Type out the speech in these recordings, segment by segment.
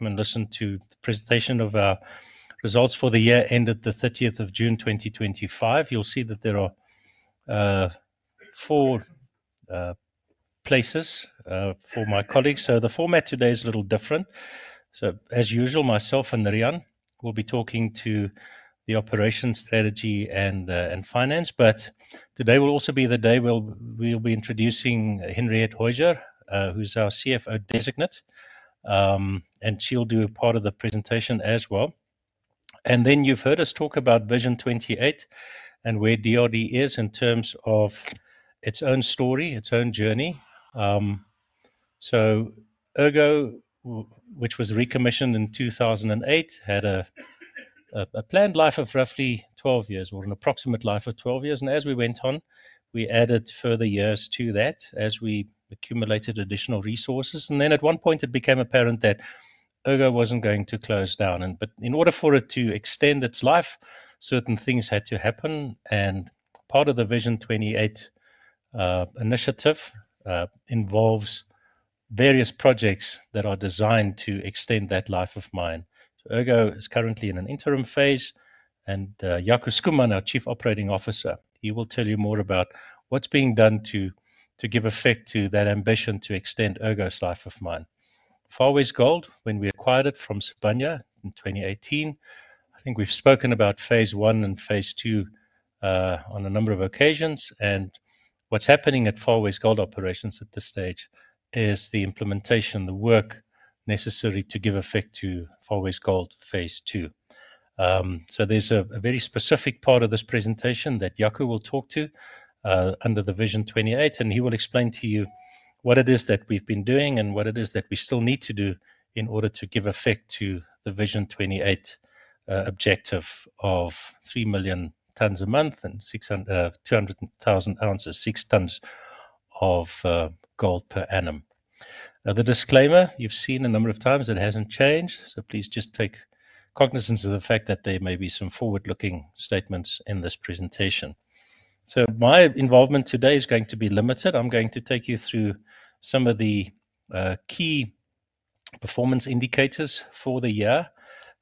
You may listen to the presentation of our results for the year ended the 30th of June, 2025. You'll see that there are four places for my colleagues. The format today is a little different. As usual, myself and Riaan will be talking to the operations strategy and finance. Today will also be the day we'll be introducing Henriette Hooijer, who's our CFO-designate. She'll do part of the presentation as well. You've heard us talk about Vision 2028 and where DRDGOLD is in terms of its own story, its own journey. Ergo, which was recommissioned in 2008, had a planned life of roughly 12 years or an approximate life of 12 years. As we went on, we added further years to that as we accumulated additional resources. At one point, it became apparent that Ergo wasn't going to close down. In order for it to extend its life, certain things had to happen. Part of the Vision 2028 initiative involves various projects that are designed to extend that life-of-mine. Ergo is currently in an interim phase. Jaco Schoeman, our Chief Operating Officer, will tell you more about what's being done to give effect to that ambition to extend Ergo's life-of-mine. Far West Gold Recoveries, when we acquired it from Sibanye in 2018, I think we've spoken about phase one and phase two on a number of occasions. What's happening at Far West Gold Recoveries operations at this stage is the implementation, the work necessary to give effect to Far West Gold Recoveries phase II. There's a very specific part of this presentation that Jaco will talk to under the Vision 2028. He will explain to you what it is that we've been doing and what it is that we still need to do in order to give effect to the Vision 2028 objective of 3 million tons a month and 200,000 ounces, six tons of gold per annum. The disclaimer, you've seen a number of times, it hasn't changed. Please just take cognizance of the fact that there may be some forward-looking statements in this presentation. My involvement today is going to be limited. I'm going to take you through some of the key performance indicators for the year.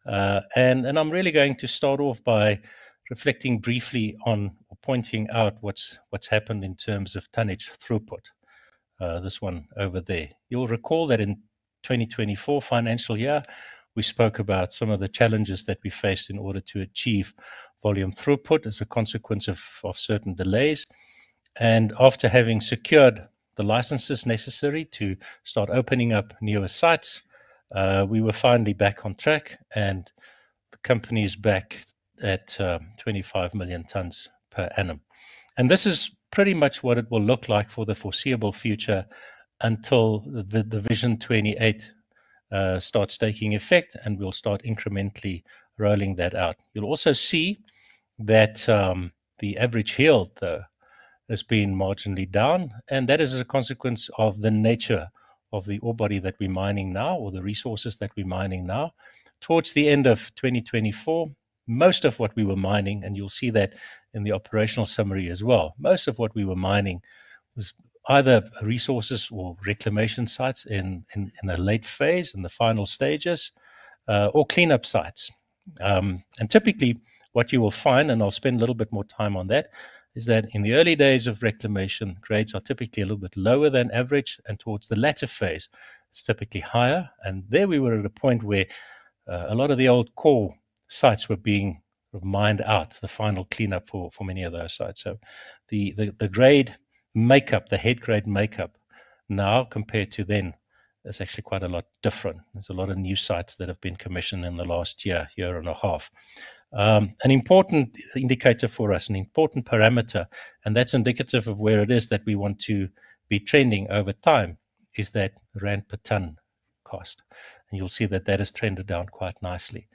I'm really going to start off by reflecting briefly on pointing out what's happened in terms of tonnage throughput, this one over there. You'll recall that in 2024 financial year, we spoke about some of the challenges that we faced in order to achieve volume throughput as a consequence of certain delays. After having secured the licenses necessary to start opening up newer sites, we were finally back on track and the company is back at 25 million tons per annum. This is pretty much what it will look like for the foreseeable future until Vision 2028 starts taking effect and we'll start incrementally rolling that out. You'll also see that the average yield, though, has been marginally down. That is a consequence of the nature of the ore body that we're mining now or the resources that we're mining now. Towards the end of 2024, most of what we were mining, and you'll see that in the operational summary as well, most of what we were mining was either resources or reclamation sites in a late phase, in the final stages, or cleanup sites. Typically, what you will find, and I'll spend a little bit more time on that, is that in the early days of reclamation, grades are typically a little bit lower than average. Towards the latter phase, it's typically higher. We were at a point where a lot of the old core sites were being mined out, the final cleanup for many of those sites. The grade makeup, the head grade makeup now compared to then is actually quite a lot different. There's a lot of new sites that have been commissioned in the last year, year and a half. An important indicator for us, an important parameter, and that's indicative of where it is that we want to be trending over time, is that rand-per-ton cost. You'll see that that has trended down quite nicely.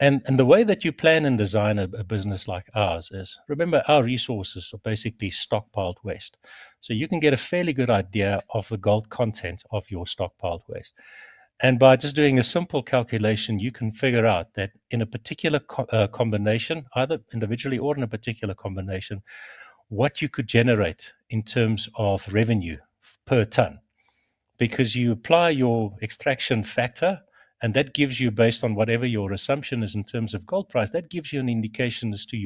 The way that you plan and design a business like ours is, remember, our resources are basically stockpiled waste. You can get a fairly good idea of the gold content of your stockpiled waste. By just doing a simple calculation, you can figure out that in a particular combination, either individually or in a particular combination, what you could generate in terms of revenue per ton. You apply your extraction factor, and that gives you, based on whatever your assumption is in terms of gold price, an indication as to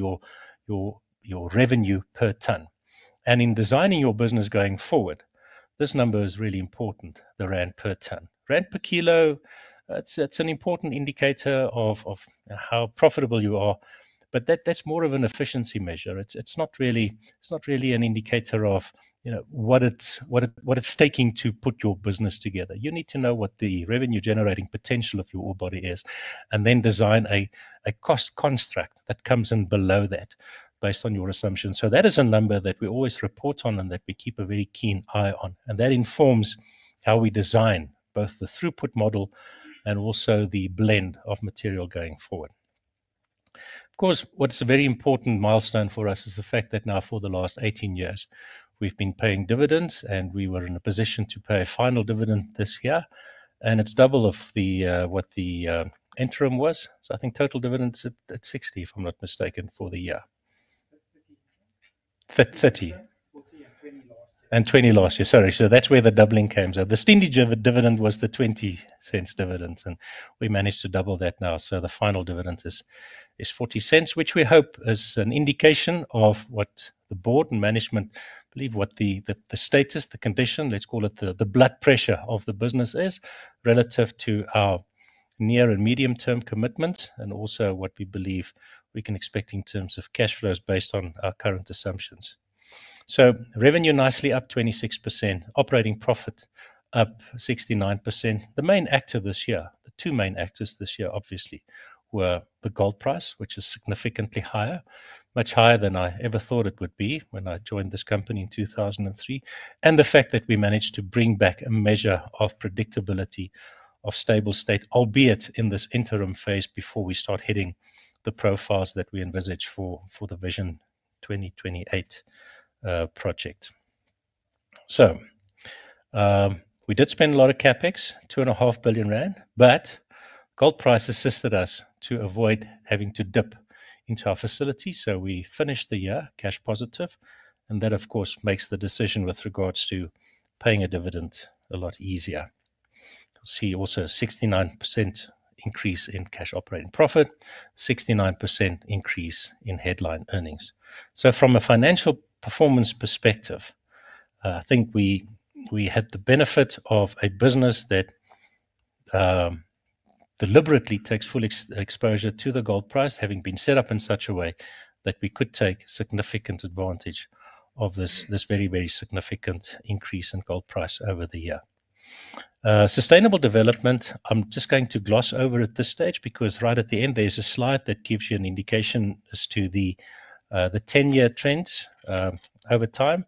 your revenue per ton. In designing your business going forward, this number is really important, the rand-per-ton. Rand-per-kilo, that's an important indicator of how profitable you are, but that's more of an efficiency measure. It's not really an indicator of what it's taking to put your business together. You need to know what the revenue-generating potential of your ore body is and then design a cost construct that comes in below that based on your assumptions. That is a number that we always report on and that we keep a very keen eye on. That informs how we design both the throughput model and also the blend of material going forward. Of course, what's a very important milestone for us is the fact that now for the last 18 years, we've been paying dividends and we were in a position to pay a final dividend this year. It's double of what the interim was. I think total dividends at 0.60, if I'm not mistaken, for the year. 0.30 and 0.20 last year, sorry. That's where the doubling came out. The standard dividend was the 0.20 dividend and we managed to double that now. The final dividend is 0.40, which we hope is an indication of what the board and management believe, what the status, the condition, let's call it the blood pressure of the business is relative to our near and medium-term commitment and also what we believe we can expect in terms of cash flows based on our current assumptions. Revenue nicely up 26%, operating profit up 69%. The main actor this year, the two main actors this year, obviously, were the gold price, which is significantly higher, much higher than I ever thought it would be when I joined this company in 2003, and the fact that we managed to bring back a measure of predictability of stable state, albeit in this interim phase before we start hitting the profiles that we envisage for the Vision 2028 project. We did spend a lot of CapEx, 2.5 billion rand, but gold price assisted us to avoid having to dip into our facilities. We finished the year cash positive. That, of course, makes the decision with regards to paying a dividend a lot easier. You'll see also a 69% increase in cash operating profit, 69% increase in headline earnings. From a financial performance perspective, I think we had the benefit of a business that deliberately takes full exposure to the gold price, having been set up in such a way that we could take a significant advantage of this very, very significant increase in gold price over the year. Sustainable development, I'm just going to gloss over at this stage because right at the end, there's a slide that gives you an indication as to the 10-year trends over time.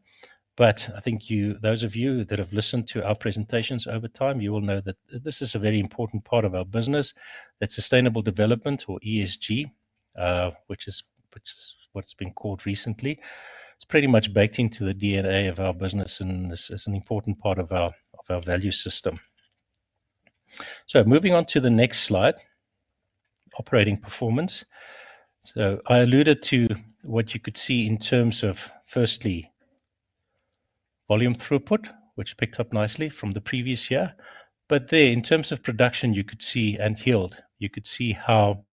I think those of you that have listened to our presentations over time, you will know that this is a very important part of our business, that sustainable development or ESG, which is what's been called recently, is pretty much baked into the DNA of our business and is an important part of our value system. Moving on to the next slide, operating performance. I alluded to what you could see in terms of, firstly, volume throughput, which picked up nicely from the previous year. There, in terms of production, you could see and yield, you could see how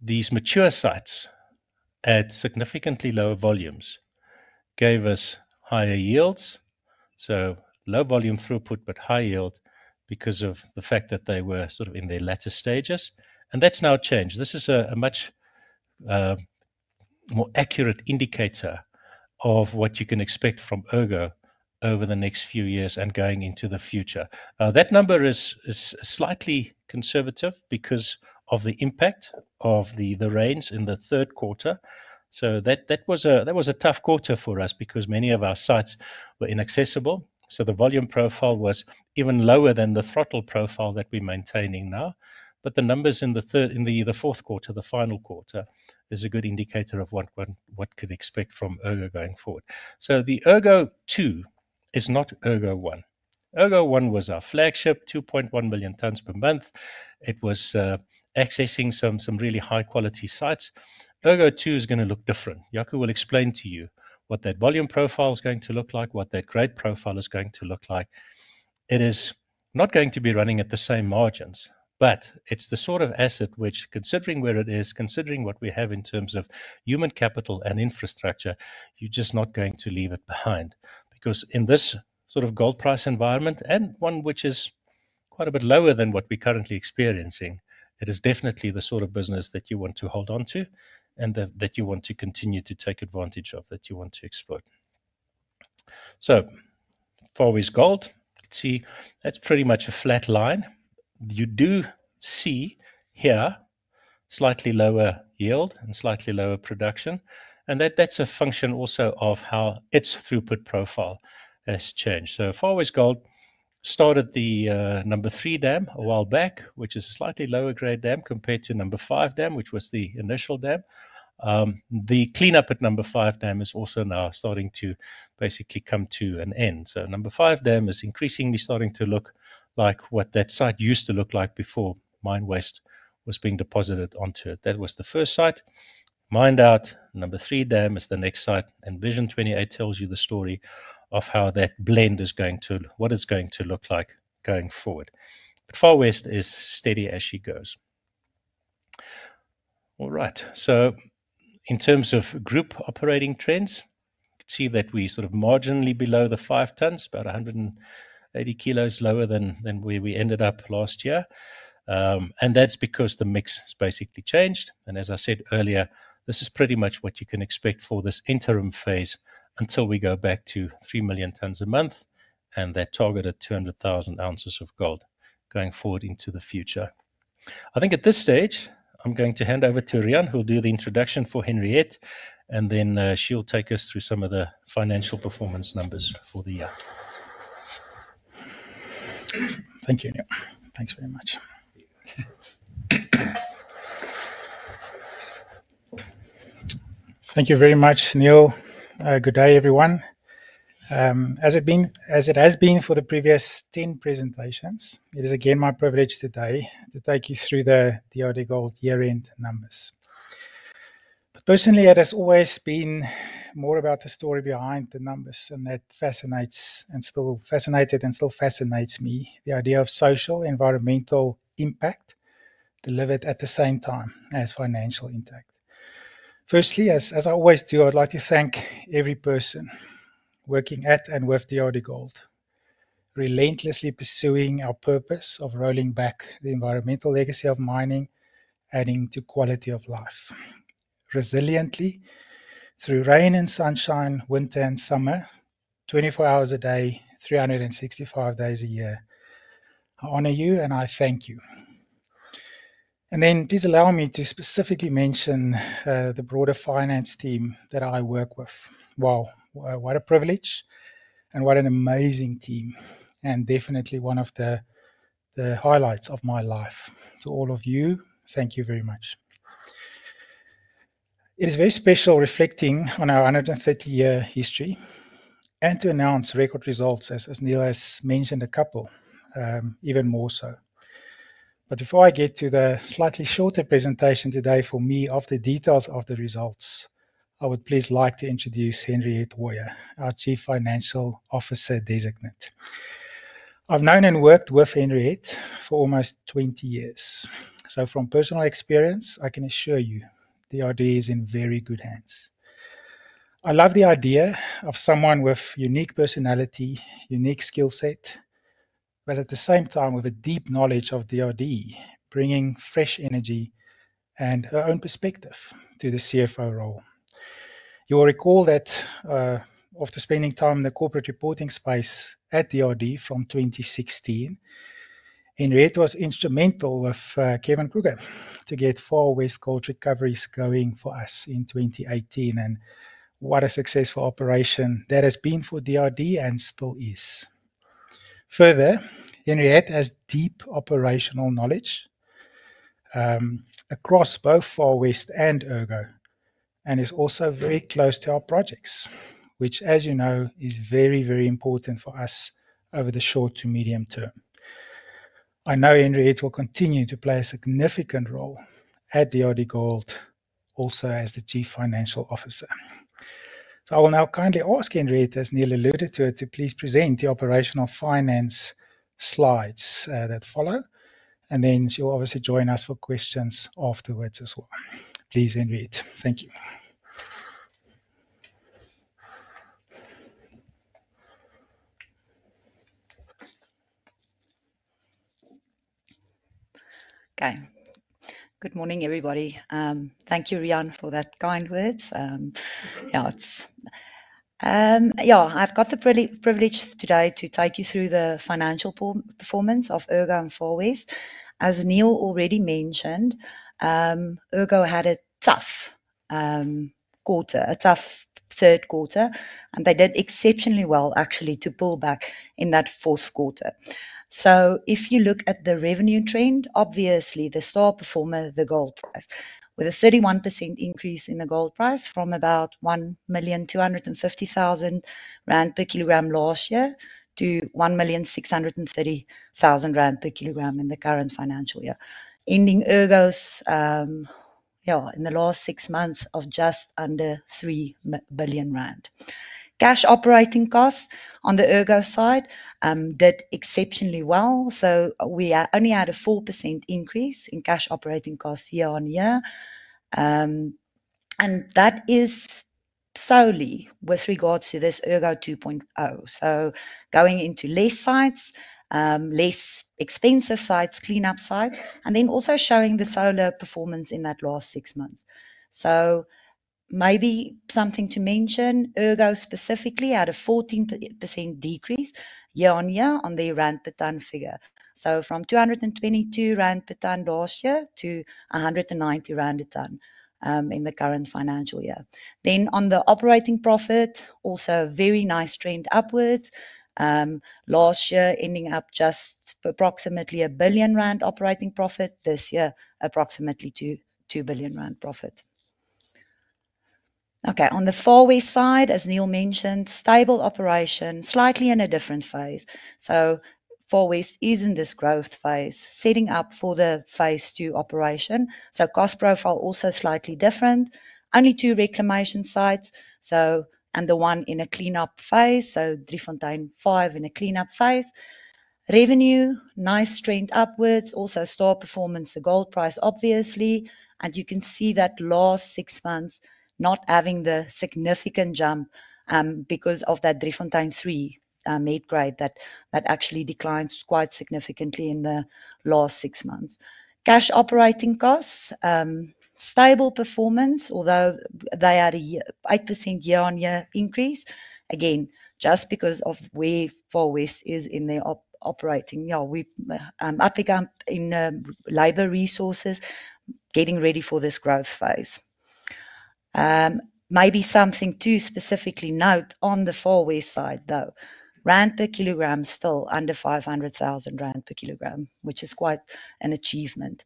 these mature sites had significantly lower volumes, gave us higher yields. Low volume throughput, but high yield because of the fact that they were sort of in their latter stages. That's now changed. This is a much more accurate indicator of what you can expect from Ergo over the next few years and going into the future. That number is slightly conservative because of the impact of the rains in the third quarter. That was a tough quarter for us because many of our sites were inaccessible. The volume profile was even lower than the throttle profile that we're maintaining now. The numbers in the fourth quarter, the final quarter, is a good indicator of what you can expect from Ergo going forward. Ergo 2 is not Ergo 1. Ergo 1 was our flagship, 2.1 million tons per month. It was accessing some really high-quality sites. Ergo 2 is going to look different. Jaco will explain to you what that volume profile is going to look like, what that grade profile is going to look like. It is not going to be running at the same margins, but it's the sort of asset which, considering where it is, considering what we have in terms of human capital and infrastructure, you're just not going to leave it behind. In this sort of gold price environment, and one which is quite a bit lower than what we're currently experiencing, it is definitely the sort of business that you want to hold on to and that you want to continue to take advantage of, that you want to exploit. Far West Gold, see, that's pretty much a flat line. You do see here slightly lower yield and slightly lower production. That's a function also of how its throughput profile has changed. Far West Gold started the number three dam a while back, which is a slightly lower grade dam compared to number five dam, which was the initial dam. The cleanup at number five dam is also now starting to basically come to an end. Number five dam is increasingly starting to look like what that site used to look like before mine waste was being deposited onto it. That was the first site mined out. Number three dam is the next site. Vision 2028 tells you the story of how that blend is going to look, what it's going to look like going forward. Far West is steady as she goes. In terms of group operating trends, you can see that we're sort of marginally below the five tons, about 180 kilos lower than where we ended up last year. That's because the mix has basically changed. As I said earlier, this is pretty much what you can expect for this interim phase until we go back to 3 million tons a month and that target of 200,000 ounces of gold going forward into the future. I think at this stage, I'm going to hand over to Riaan, who will do the introduction for Henriette. Then she'll take us through some of the financial performance numbers for the year. Thank you, Niël. Thanks very much. Thank you very much, Niël. Good day, everyone. As it has been for the previous 10 presentations, it is again my privilege today to take you through the DRDGOLD year-end numbers. Personally, it has always been more about the story behind the numbers and that fascinates and still fascinates me, the idea of social environmental impact delivered at the same time as financial impact. Firstly, as I always do, I'd like to thank every person working at and with DRDGOLD, relentlessly pursuing our purpose of rolling back the environmental legacy of mining, adding to quality of life. Resiliently, through rain and sunshine, winter and summer, 24 hours a day, 365 days a year, I honor you and I thank you. Please allow me to specifically mention the broader finance team that I work with. What a privilege and what an amazing team and definitely one of the highlights of my life. To all of you, thank you very much. It is very special reflecting on our 130-year history and to announce record results, as Niël has mentioned a couple, even more so. Before I get to the slightly shorter presentation today for me of the details of the results, I would please like to introduce Henriette Hooijer, our Chief Financial Officer-designate. I've known and worked with Henriette for almost 20 years. From personal experience, I can assure you the DRDGOLD is in very good hands. I love the idea of someone with a unique personality, unique skill set, but at the same time with a deep knowledge of DRDGOLD, bringing fresh energy and her own perspective to the CFO role. You'll recall that after spending time in the corporate reporting space at DRDGOLD from 2016, Henriette was instrumental with Kevin Kruger to get Far West Gold Recoveries Proprietary Limited going for us in 2018. What a successful operation that has been for DRDGOLD Limited and still is. Further, Henriette has deep operational knowledge across both Far West and Ergo and is also very close to our projects, which, as you know, is very, very important for us over the short to medium term. I know Henriette will continue to play a significant role at DRDGOLD Limited also as the Chief Financial Officer. I will now kindly ask Henriette, as Niël alluded to it, to please present the operational finance slides that follow. She'll obviously join us for questions afterwards as well. Please, Henriette, thank you. Okay. Good morning, everybody. Thank you, Riaan, for that kind words. Yeah, I've got the privilege today to take you through the financial performance of Ergo and Far West. As Niël already mentioned, Ergo had a tough quarter, a tough third quarter, and they did exceptionally well, actually, to pull back in that fourth quarter. If you look at the revenue trend, obviously, the star performer is the gold price, with a 31% increase in the gold price from about 1,250,000 rand per kilogram last year to 1,630,000 rand per kilogram in the current financial year, ending Ergo's in the last six months of just under 3 billion rand. Cash operating costs on the Ergo side did exceptionally well. We only had a 4% increase in cash operating costs year-on-year, and that is solely with regards to this Ergo 2.0. Going into less sites, less expensive sites, cleanup sites, and then also showing the solar performance in that last six months. Maybe something to mention, Ergo specifically had a 14% decrease year-on-year on the rand per ton figure, from 222 rand per ton last year to 190 rand a ton in the current financial year. On the operating profit, also a very nice trend upwards. Last year, ending up just approximately 1 billion rand operating profit. This year, approximately 2 billion rand profit. On the Far West side, as Niël mentioned, stable operation, slightly in a different phase. Far West is in this growth phase, setting up for the phase two operation. Cost profile also slightly different. Only two reclamation sites, and the one in a cleanup phase, so Driefontein 5 in a cleanup phase. Revenue, nice trend upwards. Also star performance, the gold price, obviously. You can see that last six months not having the significant jump because of that Driefontein 3 make grade that actually declined quite significantly in the last six months. Cash operating costs, stable performance, although they had an 8% year-on-year increase, again, just because of where Far West is in their operating, yeah, we are up in labor resources, getting ready for this growth phase. Maybe something to specifically note on the Far West side, though, rand per kilogram still under 500,000 rand per kilogram, which is quite an achievement.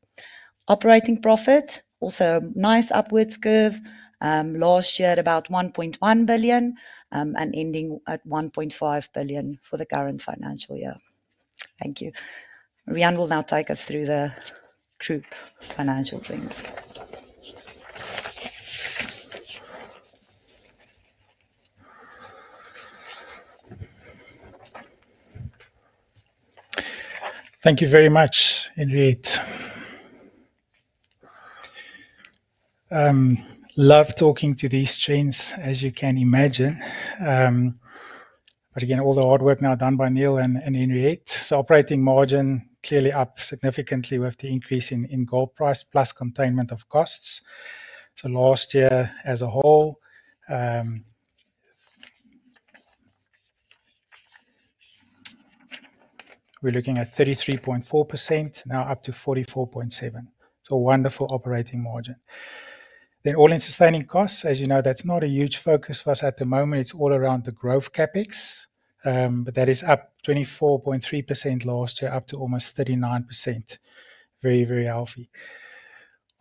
Operating profit, also nice upwards curve, last year at about 1.1 billion and ending at 1.5 billion for the current financial year. Thank you. Riaan will now take us through the group financial thing. Thank you very much, Henriette. Love talking to these chains, as you can imagine. Again, all the hard work now done by Niël and Henriette. Operating margin clearly up significantly with the increase in gold price plus containment of costs. Last year, as a whole, we're looking at 33.4%, now up to 44.7%. Wonderful operating margin. All-in sustaining costs, as you know, that's not a huge focus for us at the moment. It's all around the growth CapEx. That is up 24.3% last year, up to almost 39%. Very, very healthy.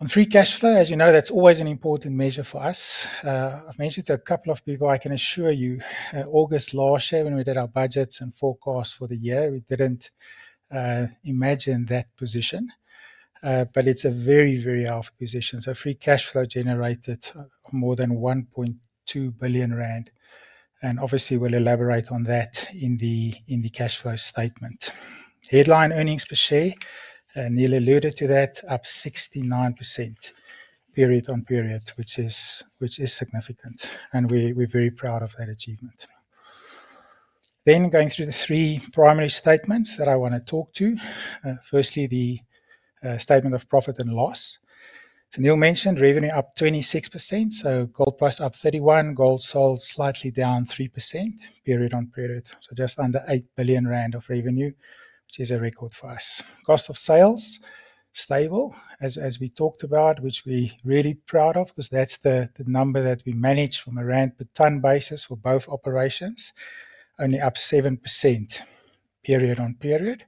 On free cash flow, as you know, that's always an important measure for us. I've mentioned to a couple of people, I can assure you, August last year when we did our budgets and forecasts for the year, we didn't imagine that position. It's a very, very healthy position. Free cash flow generated more than 1.2 billion rand. Obviously, we'll elaborate on that in the cash flow statements. Headline earnings per share, Niël alluded to that, up 69% period on period, which is significant. We're very proud of that achievement. Going through the three primary statements that I want to talk to. Firstly, the statement of profit and loss. Niël mentioned revenue up 26%. Gold price up 31%, gold sold slightly down 3% period on period. Just under 8 billion rand of revenue, which is a record for us. Cost of sales, stable, as we talked about, which we're really proud of because that's the number that we manage from a rand-per-ton basis for both operations, only up 7% period on period.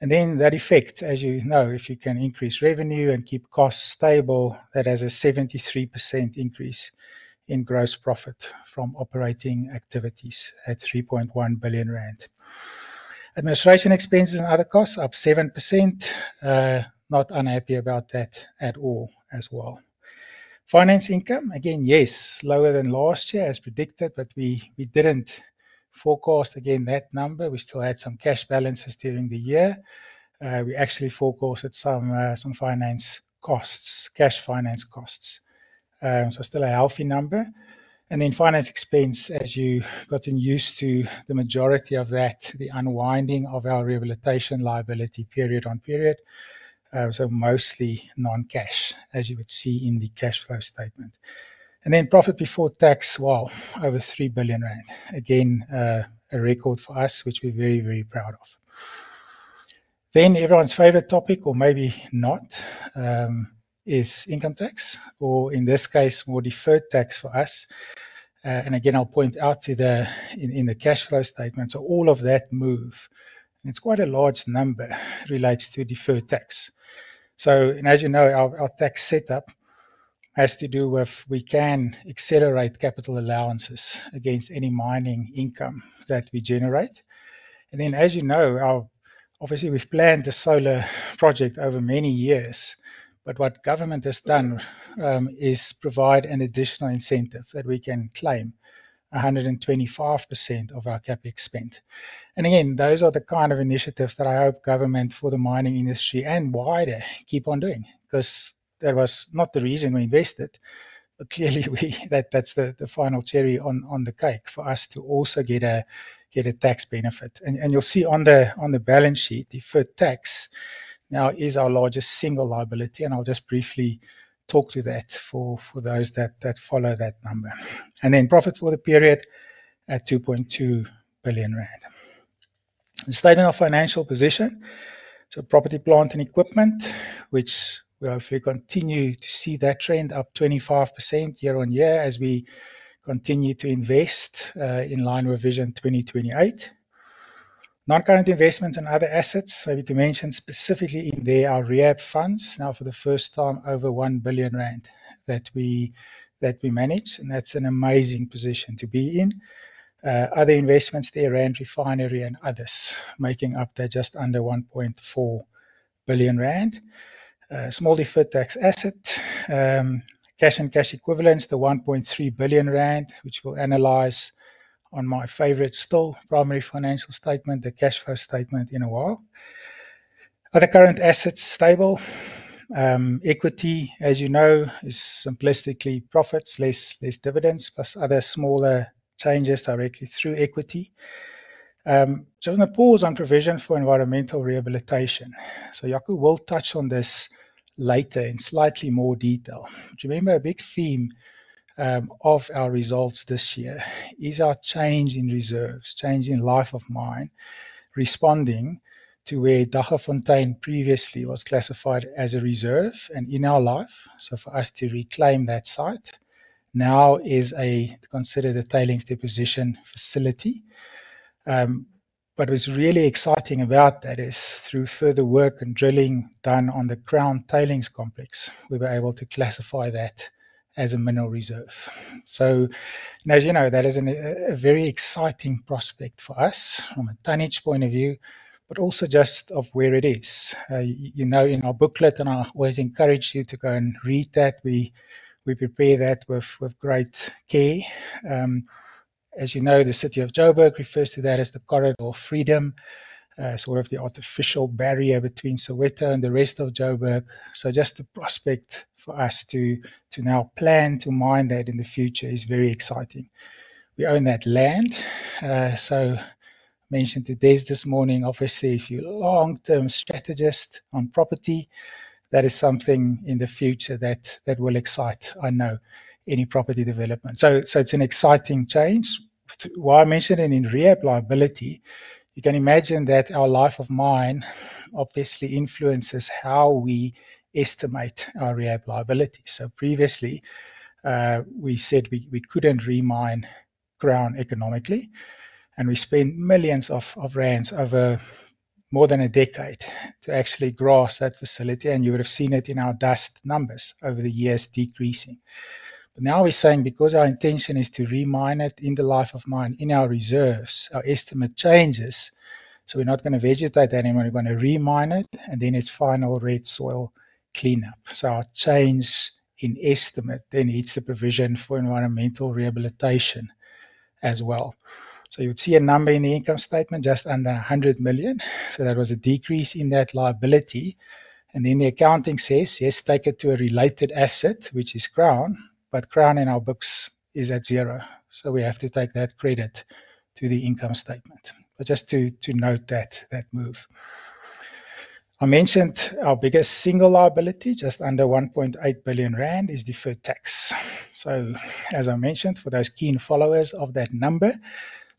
That effect, as you know, if you can increase revenue and keep costs stable, that has a 73% increase in gross profit from operating activities at 3.1 billion rand. Administration expenses and other costs up 7%. Not unhappy about that at all as well. Finance income, again, yes, lower than last year as predicted, but we didn't forecast, again, that number. We still had some cash balances during the year. We actually forecasted some finance costs, cash finance costs. Still a healthy number. Finance expense, as you've gotten used to the majority of that, the unwinding of our rehabilitation liability period on period. Mostly non-cash, as you would see in the cash flow statement. Profit before tax, wow, over 3 billion rand. Again, a record for us, which we're very, very proud of. Everyone's favorite topic, or maybe not, is income tax, or in this case, more deferred tax for us. I'll point out in the cash flow statement, all of that move, it's quite a large number related to deferred tax. As you know, our tax setup has to do with we can accelerate capital allowances against any mining income that we generate. As you know, we've planned a solar project over many years, but what government has done is provide an additional incentive that we can claim 125% of our CapEx spend. Those are the kind of initiatives that I hope government for the mining industry and wider keep on doing because that was not the reason we invested. Clearly, that's the final cherry on the cake for us to also get a tax benefit. You'll see on the balance sheet, deferred tax now is our largest single liability. I'll just briefly talk to that for those that follow that number. Profit for the period at 2.2 billion rand. Staying in our financial position, property, plant, and equipment, which we'll hopefully continue to see that trend up 25% year on year as we continue to invest in line with Vision 2028. Non-current investments and other assets, maybe to mention specifically in there, our rehab funds now for the first time over 1 billion rand that we manage. That's an amazing position to be in. Other investments there, Rand Refinery and others, making up that just under 1.4 billion rand. Small deferred tax assets, cash and cash equivalents, the 1.3 billion rand, which we'll analyze on my favorite still primary financial statement, the cash flow statement in a while. Other current assets, stable. Equity, as you know, is simplistically profits, less dividends plus other smaller changes directly through equity. I'm going to pause on provision for environmental rehabilitation. Jaco will touch on this later in slightly more detail. Do you remember a big theme of our results this year is our change in reserves, change in life-of-mine, responding to where Daggagontein previously was classified as a reserve and in our life. For us to reclaim that site now is considered a tailings deposition facility. What's really exciting about that is through further work and drilling done on the Crown Tailings Complex, we were able to classify that as a mineral reserve. As you know, that is a very exciting prospect for us from a tonnage point of view, but also just of where it is. In our booklet and I always encourage you to go and read that. We prepare that with great care. As you know, the city of Joburg refers to that as the Corridor of Freedom, sort of the artificial barrier between Soweto and the rest of Joburg. Just the prospect for us to now plan to mine that in the future is very exciting. We own that land. I mentioned it this morning, obviously, if you're a long-term strategist on property, that is something in the future that will excite, I know, any property development. It's an exciting change. While I mentioned it in rehab liability, you can imagine that our life-of-mine obviously influences how we estimate our rehab liability. Previously, we said we couldn't re-mine ground economically. We spent millions of rand over more than a decade to actually grass that facility. You would have seen it in our dust numbers over the years decreasing. Now we're saying because our intention is to re-mine it in the life-of-mine in our reserves, our estimate changes. We're not going to vegetate that anymore. We're going to re-mine it and then it's final red soil cleanup. Our change in estimate then needs to provision for environmental rehabilitation as well. You would see a number in the income statement just under 100 million. That was a decrease in that liability. The accounting says, yes, take it to a related asset, which is Crown, but Crown in our books is at zero. We have to take that credit to the income statement. Just to note that move. I mentioned our biggest single liability, just under 1.8 billion rand, is deferred tax. As I mentioned, for those keen followers of that number,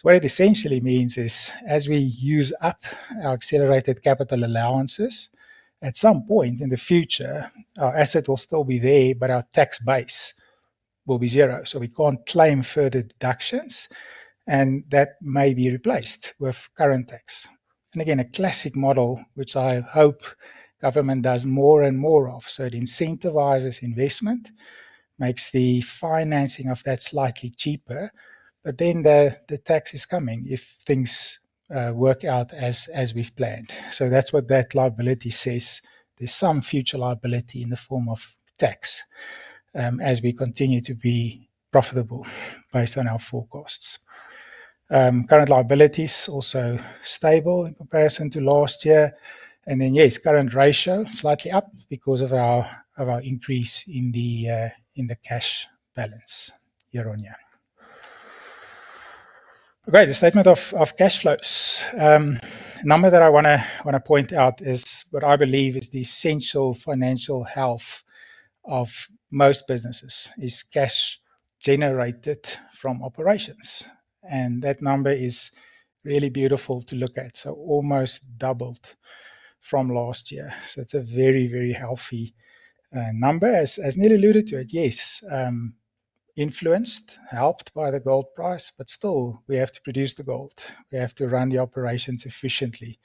what it essentially means is as we use up our accelerated capital allowances, at some point in the future, our asset will still be there, but our tax base will be zero. We can't claim further deductions. That may be replaced with current tax. A classic model, which I hope government does more and more of, incentivizes investment, makes the financing of that slightly cheaper, but then the tax is coming if things work out as we've planned. That's what that liability says. There's some future liability in the form of tax as we continue to be profitable based on our forecasts. Current liability is also stable in comparison to last year. The current ratio is slightly up because of our increase in the cash balance year on year. The statement of cash flows. A number that I want to point out is what I believe is the essential financial health of most businesses: cash generated from operations. That number is really beautiful to look at. It almost doubled from last year. It's a very, very healthy number. As Niël alluded to, yes, influenced, helped by the gold price, but still we have to produce the gold. We have to run the operations efficiently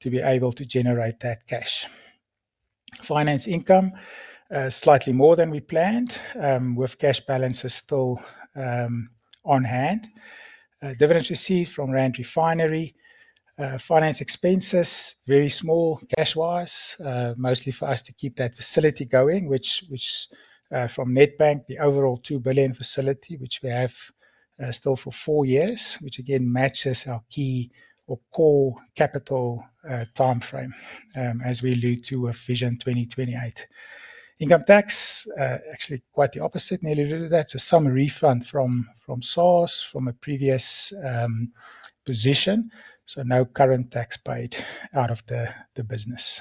to be able to generate that cash. Finance income is slightly more than we planned with cash balances still on hand. Dividends received from Rand Refinery. Finance expenses, very small cash-wise, mostly for us to keep that facility going, which is from Nedbank, the overall 2 billion facility, which we have still for four years, which again matches our key or core capital timeframe as we allude to Vision 2028. Income tax, actually quite the opposite, Niël alluded to that. Some refund from source from a previous position. No current tax paid out of the business.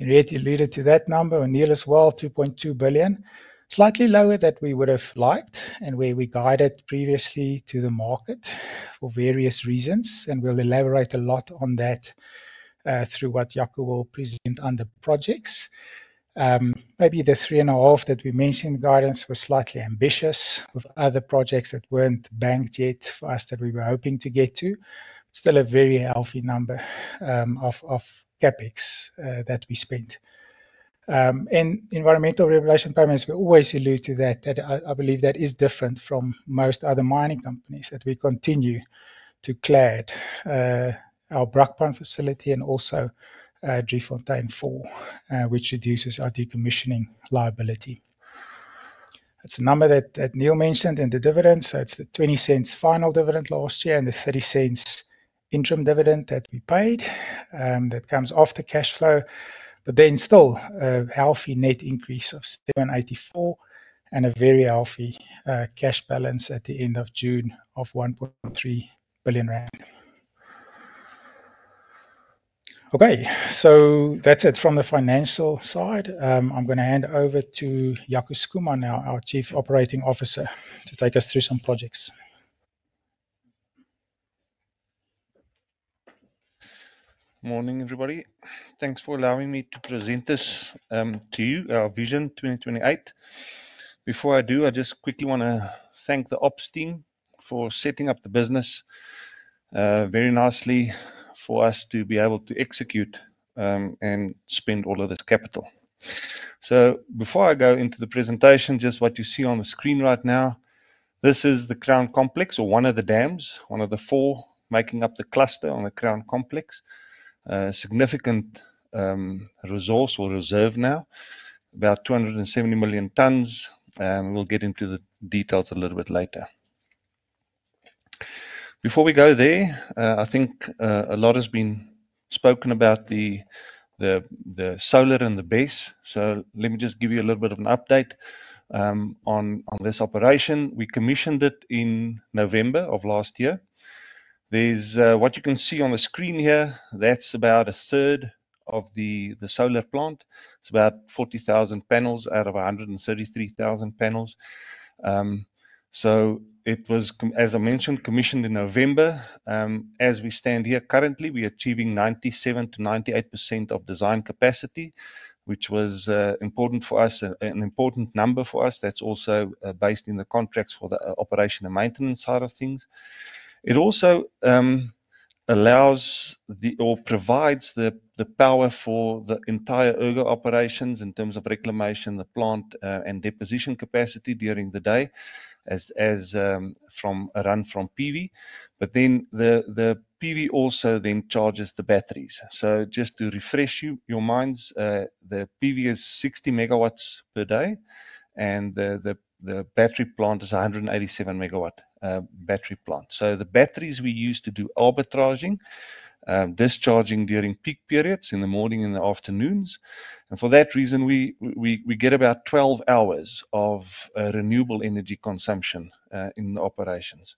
Henriette alluded to that number, or Niël as well, 2.2 billion. Slightly lower than we would have liked and where we guided previously to the market for various reasons. We'll elaborate a lot on that through what Jaco will present under projects. Maybe the 3.5 billion that we mentioned, guidance was slightly ambitious with other projects that weren't banked yet for us that we were hoping to get to. Still a very healthy number of CapEx that we spent. Environmental regulation payments, we always allude to that. I believe that is different from most other mining companies that we continue to clear it. Our Brockpoint facility and also Driefontein 4, which reduces our decommissioning liability. That's a number that Niël mentioned in the dividend. It's the 0.20 final dividend last year and the 0.30 interim dividend that we paid that comes off the cash flow. Still a healthy net increase of 784 million and a very healthy cash balance at the end of June of 1.3 billion rand. That's it from the financial side. I'm going to hand over to Jaco Schoeman, our Chief Operating Officer, to take us through some projects. Morning, everybody. Thanks for allowing me to present this to you, our Vision 2028. Before I do, I just quickly want to thank the ops team for setting up the business very nicely for us to be able to execute and spend all of that capital. Before I go into the presentation, just what you see on the screen right now, this is the Crown Complex or one of the dams, one of the four making up the cluster on the Crown Complex. A significant resource or reserve now, about 270 million tons. We'll get into the details a little bit later. I think a lot has been spoken about the solar and the base. Let me just give you a little bit of an update on this operation. We commissioned it in November of last year. What you can see on the screen here, that's about a third of the solar plant. It's about 40,000 panels out of 133,000 panels. As I mentioned, commissioned in November. As we stand here currently, we are achieving 97%-98% of design capacity, which was important for us, an important number for us. That's also based in the contracts for the operation and maintenance side of things. It also allows or provides the power for the entire Ergo operations in terms of reclamation, the plant, and deposition capacity during the day as from a run from PV. The PV also then charges the batteries. Just to refresh your minds, the PV is 60 MW per day and the battery plant is 187 MW battery plant. The batteries we use to do arbitraging, discharging during peak periods in the morning and the afternoons. For that reason, we get about 12 hours of renewable energy consumption in the operations.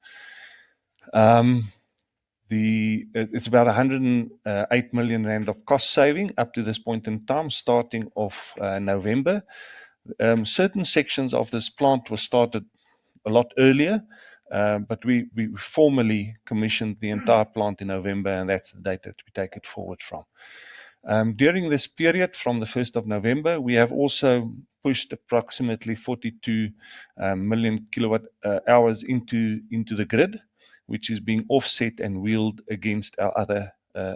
It's about 108 million rand of cost saving up to this point in time, starting off November. Certain sections of this plant were started a lot earlier, but we formally commissioned the entire plant in November, and that's the date that we take it forward from. During this period, from the 1st of November, we have also pushed approximately 42 million kWh into the grid, which is being offset and wheeled against our other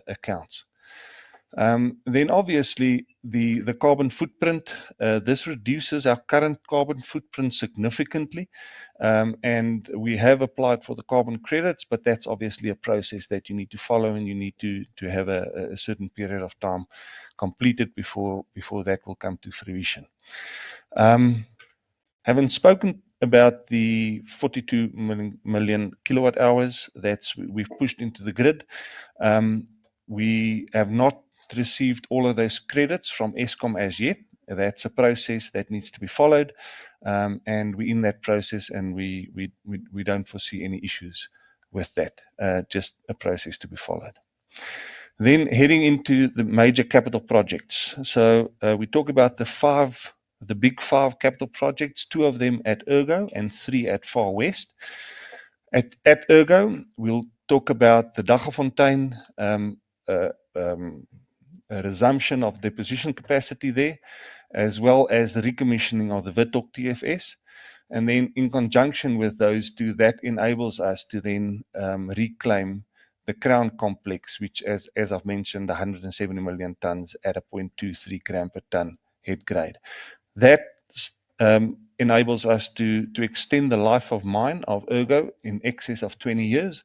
accounts. Obviously, the carbon footprint, this reduces our current carbon footprint significantly. We have applied for the carbon credits, but that's obviously a process that you need to follow and you need to have a certain period of time completed before that will come to fruition. Having spoken about the 42 million kWh that we've pushed into the grid, we have not received all of those credits from Eskom as yet. That's a process that needs to be followed. We're in that process and we don't foresee any issues with that, just a process to be followed. Heading into the major capital projects, we talk about the five, the big five capital projects, two of them at Ergo and three at Far West. At Ergo, we'll talk about the Daggafontein resumption of deposition capacity there, as well as the recommissioning of the Withok TFS In conjunction with those two, that enables us to then reclaim the Crown Complex, which, as I've mentioned, the 170 million tons at a 0.23 gram per ton head grade. That enables us to extend the life-of-mine of Ergo in excess of 20 years.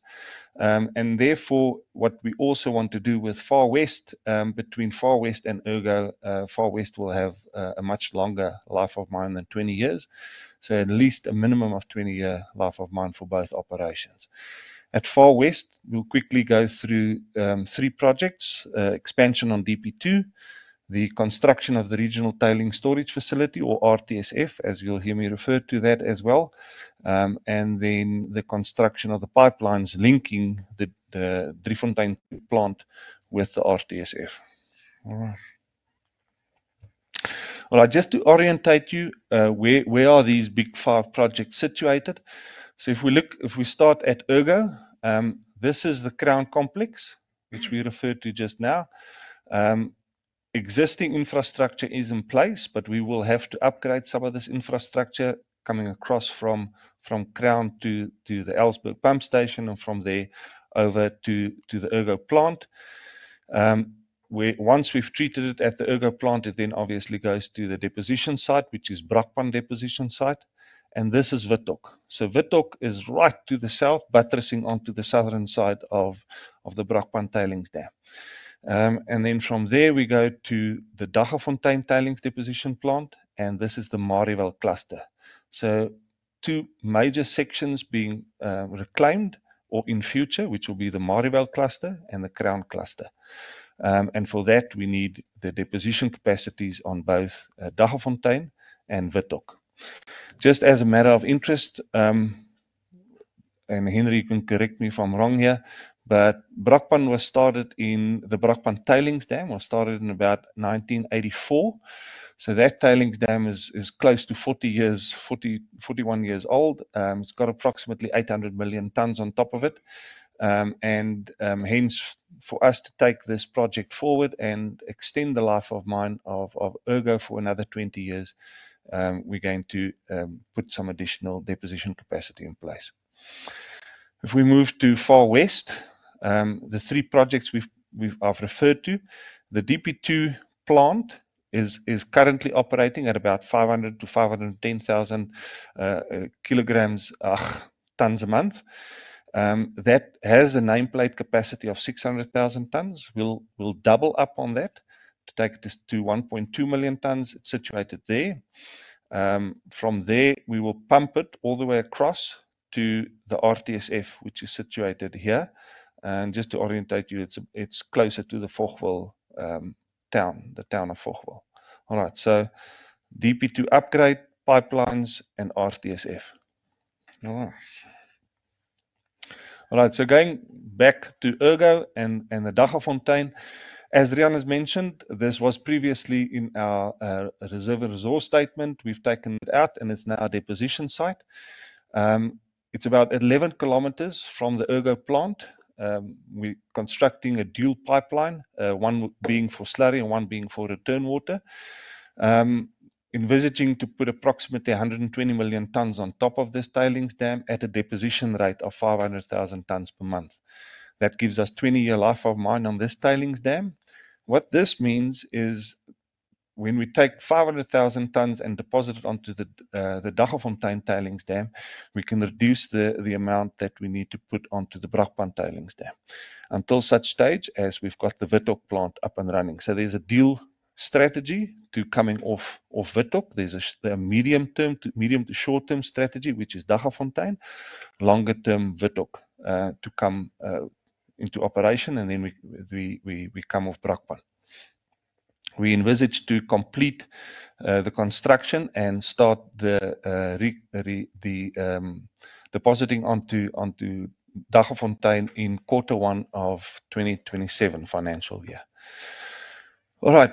What we also want to do with Far West, between Far West and Ergo, Far West will have a much longer life-of-mine than 20 years. At least a minimum of 20-year life-of-mine for both operations. At Far West, we'll quickly go through three projects: expansion on DP2, the construction of the Regional Tailings Storage Facility, or RTSF, as you'll hear me refer to that as well, and the construction of the pipelines linking the Driefontein plant with the RTSF. Just to orientate you, where are these big five projects situated? If we look, if we start at Ergo, this is the Crown Complex, which we referred to just now. Existing infrastructure is in place, but we will have to upgrade some of this infrastructure coming across from Crown to the Elsburg pump station and from there over to the Ergo plant. Once we've treated it at the Ergo plant, it then obviously goes to the deposition site, which is Brockpoint deposition site. This is Withok. Withok is right to the south, buttressing onto the southern side of the Brockpoint tailings there. From there, we go to the Daggafontein tailings deposition plant, and this is the Marievale cluster. Two major sections being reclaimed or in future, which will be the Marievale cluster and the Crown cluster. For that, we need the deposition capacities on both Daggafontein and Withok. Just as a matter of interest, and Henriette, you can correct me if I'm wrong here, but Brakpan was started in the Brakpan tailings, was started in about 1984. That tailings dam is close to 40 years, 41 years old. It's got approximately 800 million tons on top of it. For us to take this project forward and extend the life of mine of Ergo for another 20 years, we're going to put some additional deposition capacity in place. If we move to Far West, the three projects we've referred to, the DP2 plant is currently operating at about 500,000-510,000 tons a month. That has a nameplate capacity of 600,000 tons. We'll double up on that to take this to 1.2 million tons. It's situated there. From there, we will pump it all the way across to the RTSF, which is situated here. Just to orientate you, it's closer to the town of Fochville. All right. DP2 upgrade, pipelines, and RTSF. Going back to Ergo and the Daggafontein as Riaan has mentioned, this was previously in our reserve resource statement. We've taken it out and it's now a deposition site. It's about 11 kilometers from the Ergo plant. We're constructing a dual pipeline, one being for slurry and one being for return water. Envisaging to put approximately 120 million tons on top of this tailings dam at a deposition rate of 500,000 tons per month. That gives us 20-year life of mine on this tailings dam. What this means is when we take 500,000 tons and deposit it onto the Daggafontein tailings dam, we can reduce the amount that we need to put onto the Brakpan tailings dam. Until such stage as we've got the Withok plant up and running. There's a dual strategy to coming off Withok. There's a medium to short-term strategy, which is Daggafontein, longer-term Withok to come into operation, and then we come off Brakpan. We envisage to complete the construction and start the depositing onto Daggafontein in quarter one of the 2027 financial year. That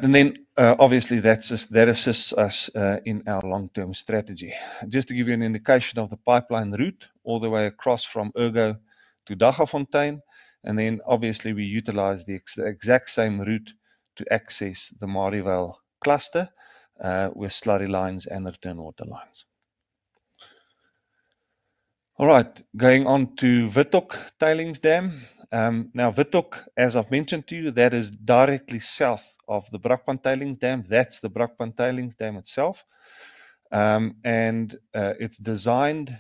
assists us in our long-term strategy. Just to give you an indication of the pipeline route all the way across from Ergo to Daggafontein We utilize the exact same route to access the Marievale cluster with slurry lines and return water lines. Going on to Withok tailings dam. Withok, as I've mentioned to you, is directly south of the Brakpan tailings dam. That's the Brakpam tailings dam itself. It's designed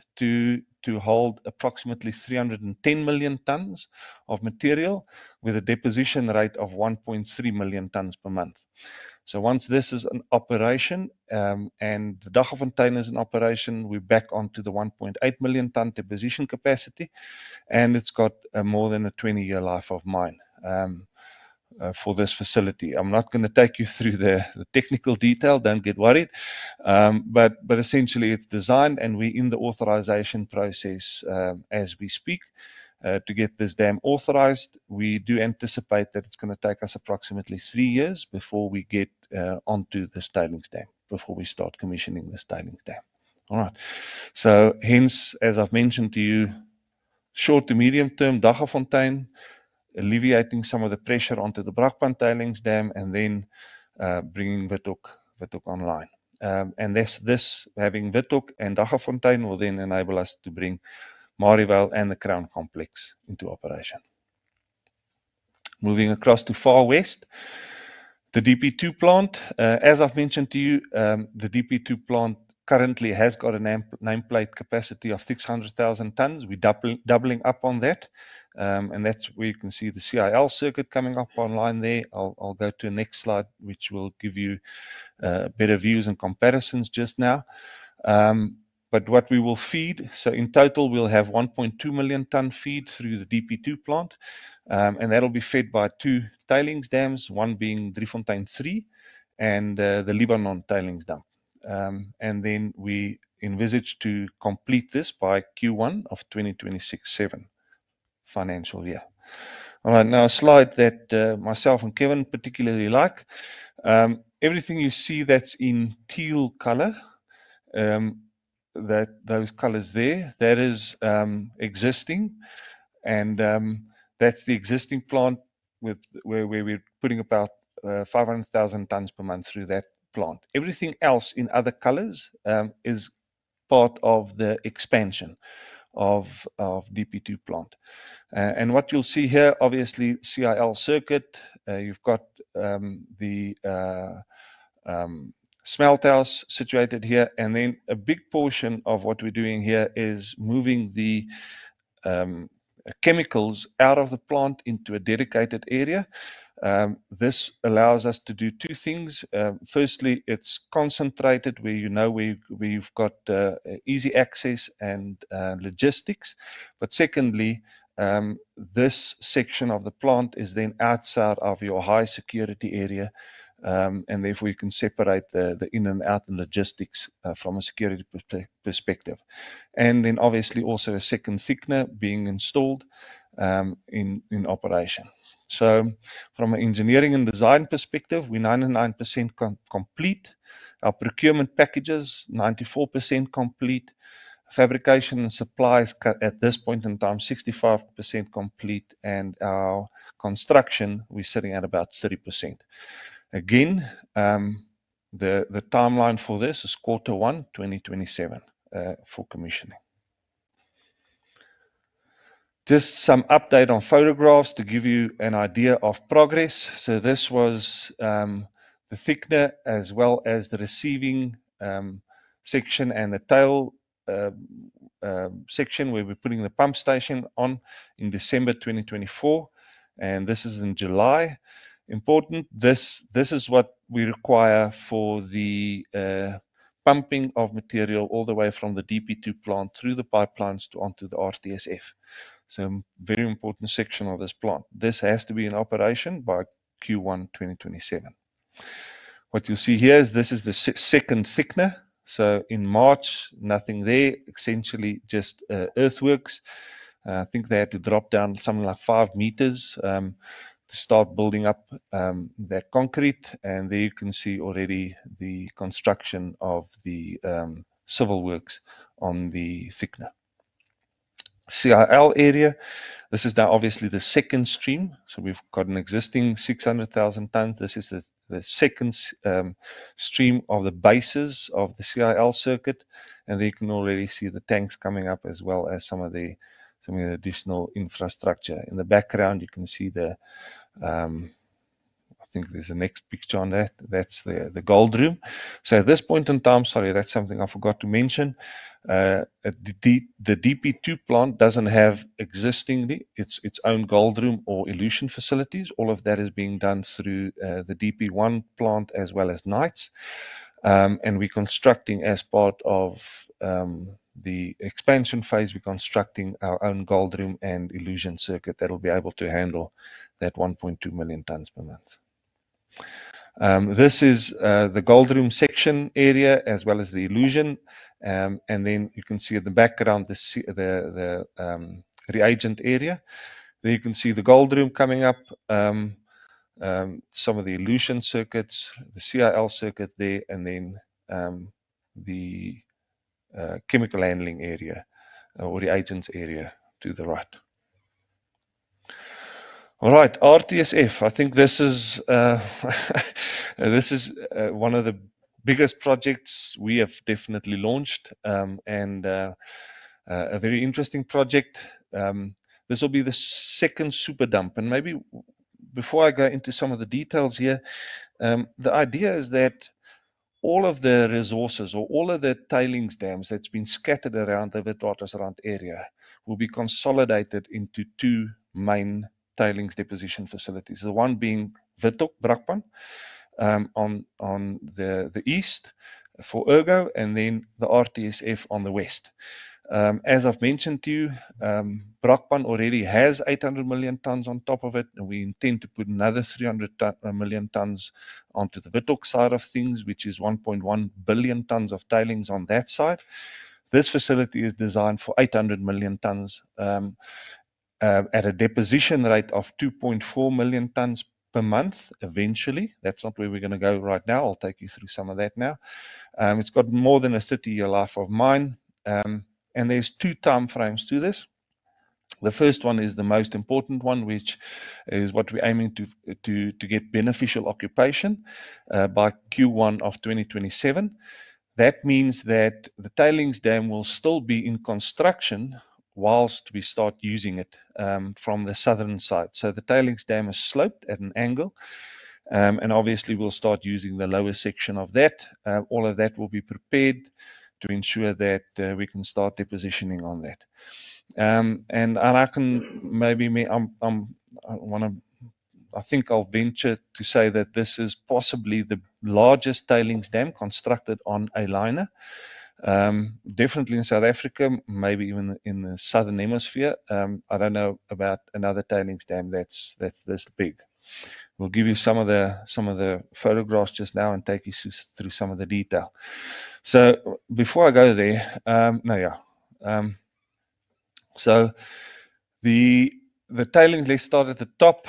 to hold approximately 310 million tons of material with a deposition rate of 1.3 million tons per month. Once this is in operation and the Dagafontein is in operation, we're back onto the 1.8 million ton deposition capacity. It's got more than a 20-year life-of-mine for this facility. I'm not going to take you through the technical detail. Don't get worried. Essentially, it's designed and we're in the authorization process as we speak to get this dam authorized. We do anticipate that it's going to take us approximately three years before we get onto this tailings dam, before we start commissioning this tailings dam. Hence, as I've mentioned to you, short to medium term, Daggafontein alleviating some of the pressure onto the Brakpan tailings dam and then bringing Withok online. Having Withok and Daggafontein will then enable us to bring Marievale and the Crown Complex into operation. Moving across to Far West, the DP2 plant, as I've mentioned to you, the DP2 plant currently has got a nameplate capacity of 600,000 tons. We're doubling up on that. That's where you can see the CIL circuit coming up online there. I'll go to the next slide, which will give you better views and comparisons just now. What we will feed, so in total, we'll have 1.2 million ton feed through the DP2 plant. That'll be fed by two tailings dams, one being Driefontein 3 and the Libanon tailings dam. We envisage to complete this by Q1 of the 2026-2027 financial year. Now a slide that myself and Kevin particularly like. Everything you see that's in teal color, those colors there, that is existing. That's the existing plant where we're putting about 500,000 tons per month through that plant. Everything else in other colors is part of the expansion of DP2 plant. What you'll see here, obviously, CIL circuit, you've got the smelt house situated here. A big portion of what we're doing here is moving the chemicals out of the plant into a dedicated area. This allows us to do two things. Firstly, it's concentrated where you've got easy access and logistics. Secondly, this section of the plant is then outside of your high security area. Therefore, you can separate the in and out and logistics from a security perspective. Also, a second Cigner being installed in operation. From an engineering and design perspective, we are 99% complete. Our procurement packages are 94% complete. Fabrication and supplies at this point in time are 65% complete. Our construction, we're sitting at about 30%. The timeline for this is Q1 2027, full commissioning. Just some update on photographs to give you an idea of progress. This was the Cigner as well as the receiving section and the tail section where we're putting the pump station on in December 2024. This is in July. Important, this is what we require for the pumping of material all the way from the DP2 plant through the pipelines onto the RTSF. A very important section of this plant. This has to be in operation by Q1 2027. What you'll see here is the second thickener. In March, nothing there, essentially just earthworks. I think they had to drop down something like five meters to start building up that concrete. There you can see already the construction of the civil works on the thickener. CIL area, this is now obviously the second stream. We've got an existing 600,000 tons. This is the second stream of the bases of the CIL circuit. There you can already see the tanks coming up as well as some of the additional infrastructure. In the background, you can see the, I think there's a next picture on there. That's the gold room. At this point in time, sorry, that's something I forgot to mention. The DP2 plant doesn't have existing its own gold room or elution facilities. All of that is being done through the DP1 plant as well as NITE. We're constructing as part of the expansion phase, our own gold room and elution circuit that will be able to handle that 1.2 million tons per month. This is the gold room section area as well as the elution. You can see in the background the reagent area. There you can see the gold room coming up, some of the elution circuits, the CIL circuit there, and then the chemical handling area or reagents area to the right. RTSF. I think this is one of the biggest projects we have definitely launched and a very interesting project. This will be the second super dump. Maybe before I go into some of the details here, the idea is that all of the resources or all of the tailings dams that have been scattered around the Vetotes Rant area will be consolidated into two main tailings deposition facilities. The one being Withok Brakpan on the east for Ergo and then the RTSF on the west. As I've mentioned to you, Brakpan already has 800 million tons on top of it. We intend to put another 300 million tons onto the Withok side of things, which is 1.1 billion tons of tailings on that side. This facility is designed for 800 million tons at a deposition rate of 2.4 million tons per month eventually. That's not where we're going to go right now. I'll take you through some of that now. It's got more than a 30-year life-of-mine. There's two timeframes to this. The first one is the most important one, which is what we're aiming to get beneficial occupation by Q1 of 2027. That means that the tailings dam will still be in construction whilst we start using it from the southern side. The tailings dam is sloped at an angle. Obviously, we'll start using the lower section of that. All of that will be prepared to ensure that we can start depositioning on that. I think I'll venture to say that this is possibly the largest tailings dam constructed on a liner, definitely in South Africa, maybe even in the southern hemisphere. I don't know about another tailings dam that's this big. We'll give you some of the photographs just now and take you through some of the detail. Before I go there, the tailings list starts at the top.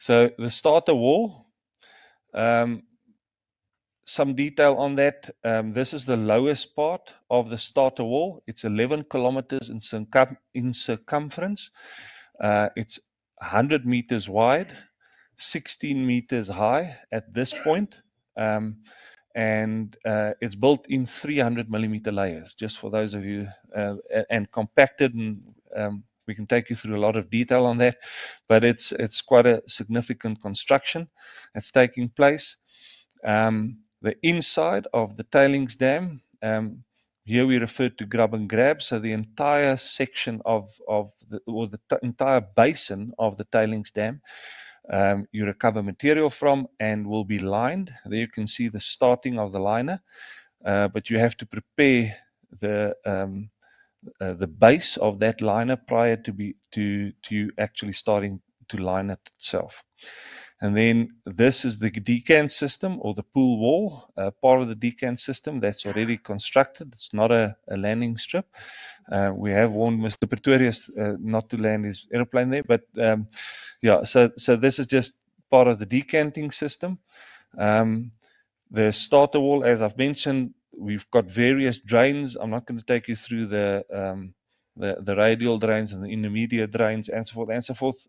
The starter wall, some detail on that. This is the lowest part of the starter wall. It's 11 kilometers in circumference. It's 100 meters wide, 16 meters high at this point. It's built in 300 millimeter layers and compacted. We can take you through a lot of detail on that. It's quite a significant construction that's taking place. The inside of the tailings dam, here we refer to Grab and Grab. The entire section of the entire basin of the tailings dam, you recover material from and will be lined. There you can see the starting of the liner. You have to prepare the base of that liner prior to actually starting to line it itself. This is the decant system or the pool wall, part of the decant system that's already constructed. It's not a landing strip. We have warned Mr. Pretorius not to land his airplane there. This is just part of the decanting system. The starter wall, as I've mentioned, we've got various drains. I'm not going to take you through the radial drains and the intermediate drains and so forth.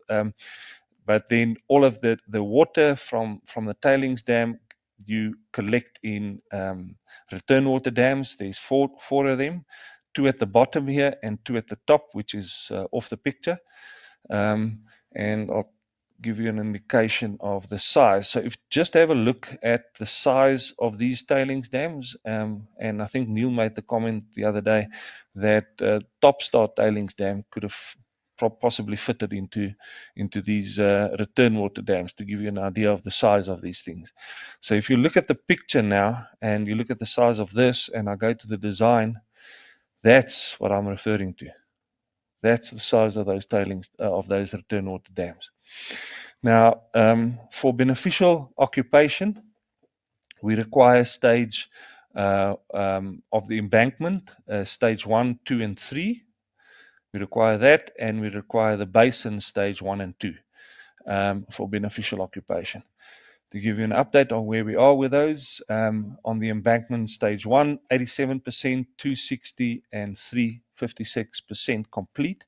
All of the water from the tailings dam, you collect in return water dams. There's four of them, two at the bottom here and two at the top, which is off the picture. I'll give you an indication of the size. If you just have a look at the size of these tailings dams, I think Niël made the comment the other day that the Topstar tailings dam could have possibly fitted into these return water dams to give you an idea of the size of these things. If you look at the picture now and you look at the size of this and I go to the design, that's what I'm referring to. That's the size of those return water dams. For beneficial occupation, we require stage of the embankment, stage one, two, and three. We require that and we require the basin stage one and two for beneficial occupation. To give you an update on where we are with those, on the embankment stage one, 87%, 260%, and 356% complete.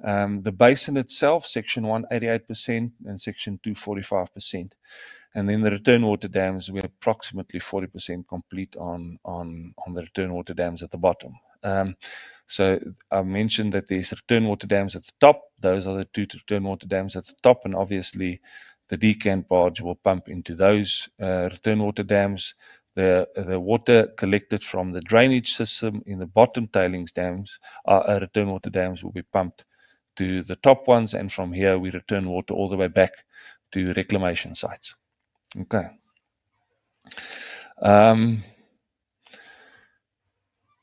The basin itself, section one, 88% and section two, 45%. The return water dams, we're approximately 40% complete on the return water dams at the bottom. I mentioned that there's return water dams at the top. Those are the two return water dams at the top. Obviously, the decant barge will pump into those return water dams. The water collected from the drainage system in the bottom tailings dams, our return water dams will be pumped to the top ones. From here, we return water all the way back to reclamation sites.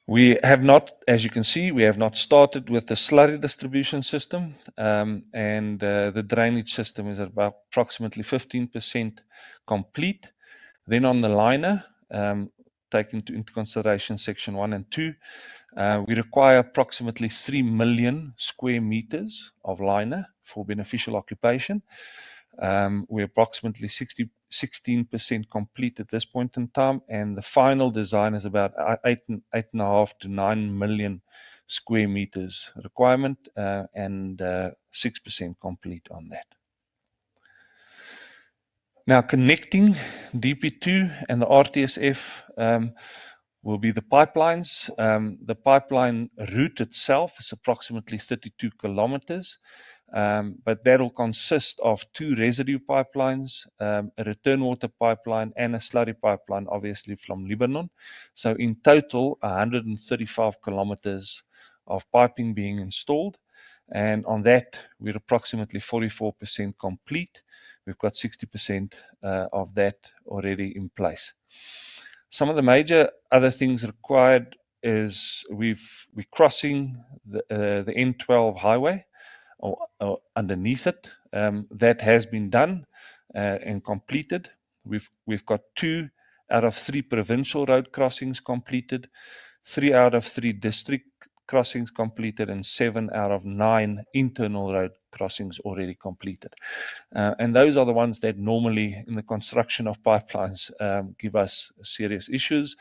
We have not, as you can see, we have not started with the slurry distribution system. The drainage system is about approximately 15% complete. On the liner, taking into consideration section one and two, we require approximately 3 million square meters of liner for beneficial occupation. We're approximately 16% complete at this point in time. The final design is about 8.5 million-9 million square meters requirement and 6% complete on that. Connecting DP2 and the Regional Tailings Storage Facility (RTSF) will be the pipelines. The pipeline route itself is approximately 32 km. That will consist of two residue pipelines, a return water pipeline, and a slurry pipeline, obviously, from Libanon. In total, 135 km of piping being installed. On that, we're approximately 44% complete. We've got 60% of that already in place. Some of the major other things required is we're crossing the N12 highway or underneath it. That has been done and completed. We've got two out of three provincial road crossings completed, three out of three district crossings completed, and seven out of nine internal road crossings already completed. Those are the ones that normally in the construction of pipelines give us serious issues.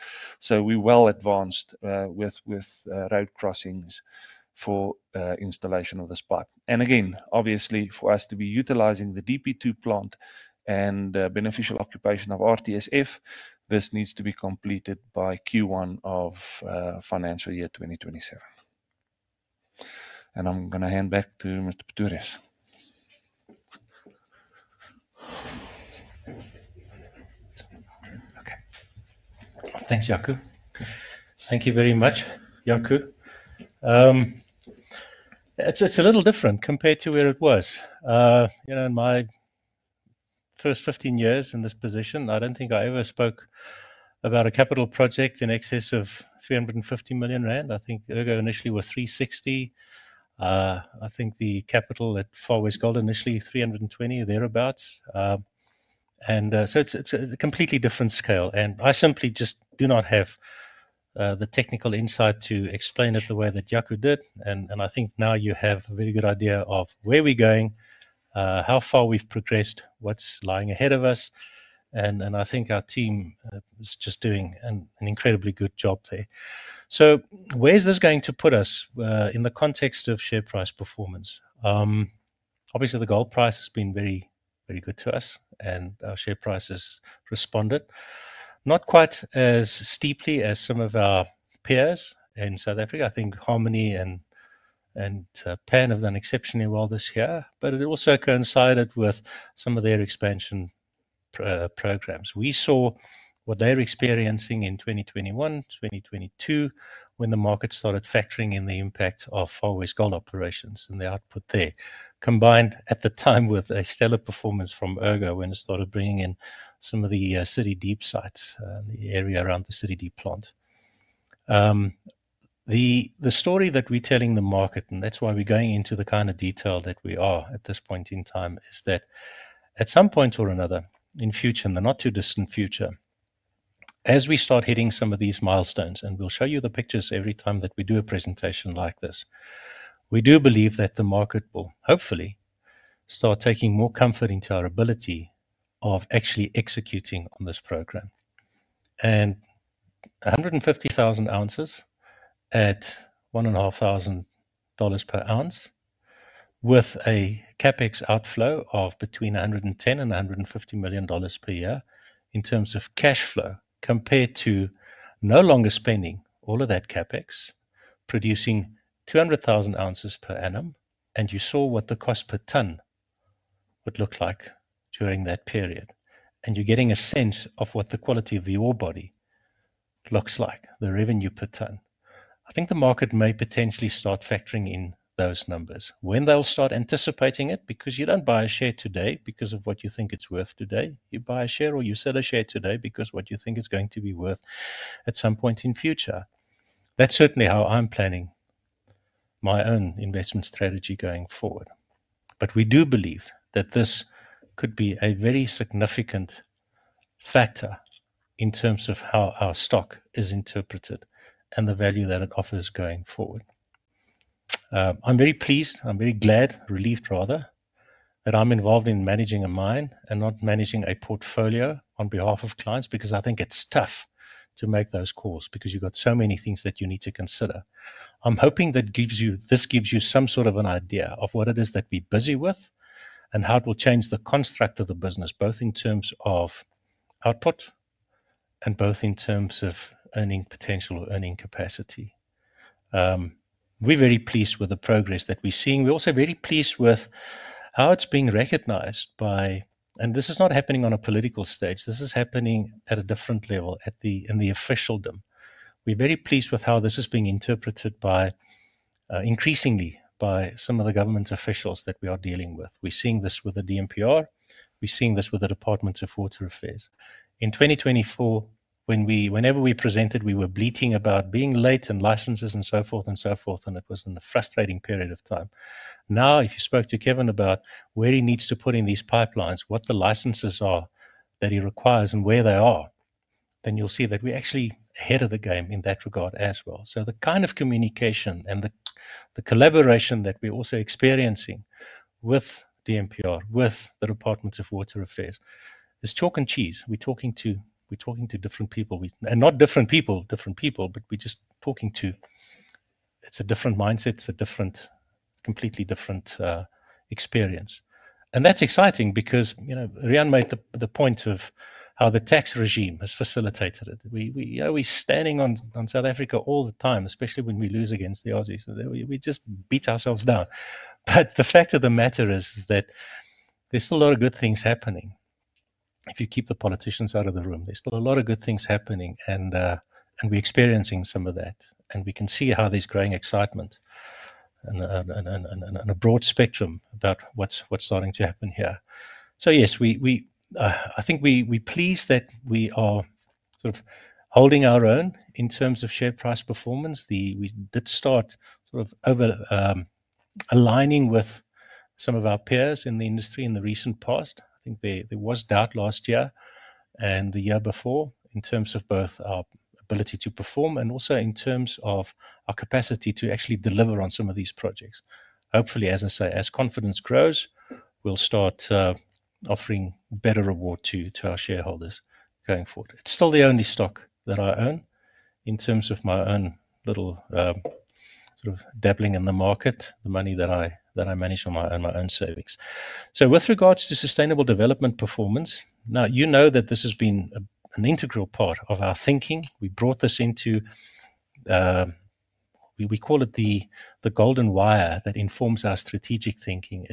We're well advanced with road crossings for installation of this pipe. Obviously, for us to be utilizing the DP2 plant and beneficial occupation of the Regional Tailings Storage Facility, this needs to be completed by Q1 of financial year 2027. I'm going to hand back to Mr. Pretorius. Thanks, Jaco. Thank you very much, Jaco. It's a little different compared to where it was. You know, in my first 15 years in this position, I don't think I ever spoke about a capital project in excess of 350 million rand. I think Ergo initially was 360 million. I think the capital at Far West initially was 320 million, thereabouts. It's a completely different scale. I simply just do not have the technical insight to explain it the way that Jaco did. I think now you have a very good idea of where we're going, how far we've progressed, what's lying ahead of us. I think our team is just doing an incredibly good job there. Where's this going to put us in the context of share price performance? Obviously, the gold price has been very, very good to us. Our share price has responded not quite as steeply as some of our peers in South Africa. I think Harmony and Pan have done exceptionally well this year. It also coincided with some of their expansion programs. We saw what they were experiencing in 2021, 2022, when the market started factoring in the impact of Far West Gold Recoveries operations and the output there, combined at the time with a stellar performance from Ergo when it started bringing in some of the City Deep sites, the area around the City Deep plant. The story that we're telling the market, and that's why we're going into the kind of detail that we are at this point in time, is that at some point or another in the future, in the not-too-distant future, as we start hitting some of these milestones, and we'll show you the pictures every time that we do a presentation like this, we do believe that the market will hopefully start taking more comfort in our ability of actually executing on this program. 150,000 ounces at $1,500 per ounce, with a CapEx outflow of between $110 million and $150 million per year in terms of cash flow, compared to no longer spending all of that CapEx, producing 200,000 ounces per annum. You saw what the cost per ton would look like during that period. You're getting a sense of what the quality of your body looks like, the revenue per ton. I think the market may potentially start factoring in those numbers. When they'll start anticipating it, because you don't buy a share today because of what you think it's worth today. You buy a share or you sell a share today because of what you think it's going to be worth at some point in the future. That's certainly how I'm planning my own investment strategy going forward. We do believe that this could be a very significant factor in terms of how our stock is interpreted and the value that it offers going forward. I'm very pleased. I'm very glad, relieved rather, that I'm involved in managing a mine and not managing a portfolio on behalf of clients because I think it's tough to make those calls because you've got so many things that you need to consider. I'm hoping that this gives you some sort of an idea of what it is that we're busy with and how it will change the construct of the business, both in terms of output and in terms of earning potential, earning capacity. We're very pleased with the progress that we're seeing. We're also very pleased with how it's being recognized by, and this is not happening on a political stage. This is happening at a different level in the officialdom. We're very pleased with how this is being interpreted increasingly by some of the government's officials that we are dealing with. We're seeing this with the DMPR. We're seeing this with the Department of Water Affairs. In 2024, whenever we presented, we were bleating about being late and licenses and so forth, and it was a frustrating period of time. If you spoke to Kevin about where he needs to put in these pipelines, what the licenses are that he requires and where they are, then you'll see that we're actually ahead of the game in that regard as well. The kind of communication and the collaboration that we're also experiencing with DMPR, with the Department of Water Affairs, is chalk and cheese. We're talking to different people. Not different people, different people, but we're just talking to... It's a different mindset. It's a different, completely different experience. That's exciting because Riaan made the point of how the tax regime has facilitated it. We're standing on South Africa all the time, especially when we lose against the Aussies. We just beat ourselves down. The fact of the matter is that there's still a lot of good things happening. If you keep the politicians out of the room, there's still a lot of good things happening, and we're experiencing some of that. We can see how there's growing excitement on a broad spectrum about what's starting to happen here. Yes, I think we're pleased that we are sort of holding our own in terms of share price performance. We did start sort of aligning with some of our peers in the industry in the recent past. I think there was doubt last year and the year before in terms of both our ability to perform and also in terms of our capacity to actually deliver on some of these projects. Hopefully, as I say, as confidence grows, we'll start offering better reward to our shareholders going forward. It's still the only stock that I own in terms of my own little sort of dabbling in the market, the money that I manage on my own savings. With regards to sustainable development performance, you know that this has been an integral part of our thinking. We brought this into, we call it the golden wire that informs our strategic thinking,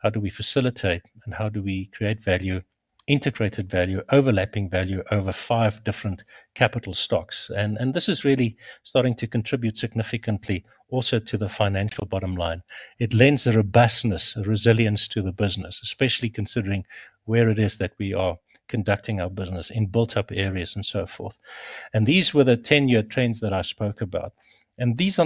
how do we facilitate and how do we create value, integrated value, overlapping value over five different capital stocks. This is really starting to contribute significantly also to the financial bottom line. It lends a robustness, a resilience to the business, especially considering where it is that we are conducting our business in built-up areas and so forth. These were the 10-year trends that I spoke about. This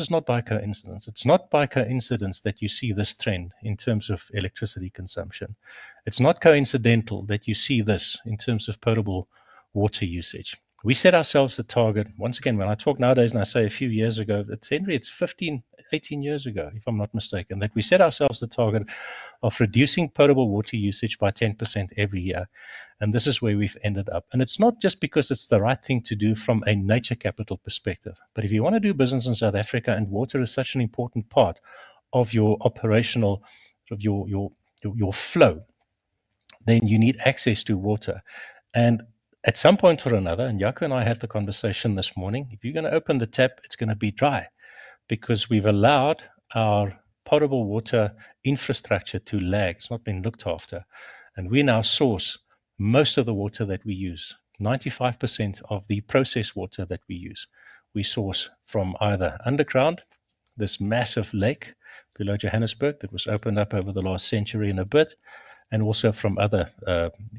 is not by coincidence. It's not by coincidence that you see this trend in terms of electricity consumption. It's not coincidental that you see this in terms of potable water usage. We set ourselves a target, once again, when I talk nowadays and I say a few years ago, it's Henriette, it's 15, 18 years ago, if I'm not mistaken, that we set ourselves the target of reducing potable water usage by 10% every year. This is where we've ended up. It's not just because it's the right thing to do from a nature capital perspective. If you want to do business in South Africa and water is such an important part of your operational, of your flow, then you need access to water. At some point or another, and Jaco and I had the conversation this morning, if you're going to open the tap, it's going to be dry because we've allowed our potable water infrastructure to lag. It's not being looked after. We now source most of the water that we use. 95% of the processed water that we use, we source from either underground, this massive lake below Johannesburg that was opened up over the last century and a bit, and also from other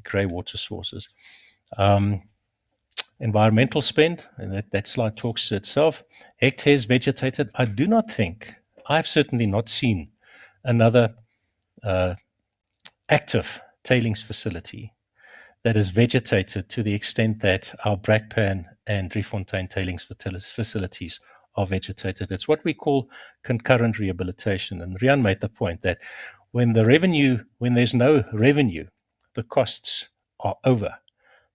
greywater sources. Environmental spend, that slide talks to itself. Echter's vegetated, I do not think, I have certainly not seen another active tailings facility that is vegetated to the extent that our Brakpan and Driefontein tailings facilities are vegetated. It's what we call concurrent rehabilitation. Riaan made the point that when the revenue, when there's no revenue, the costs are over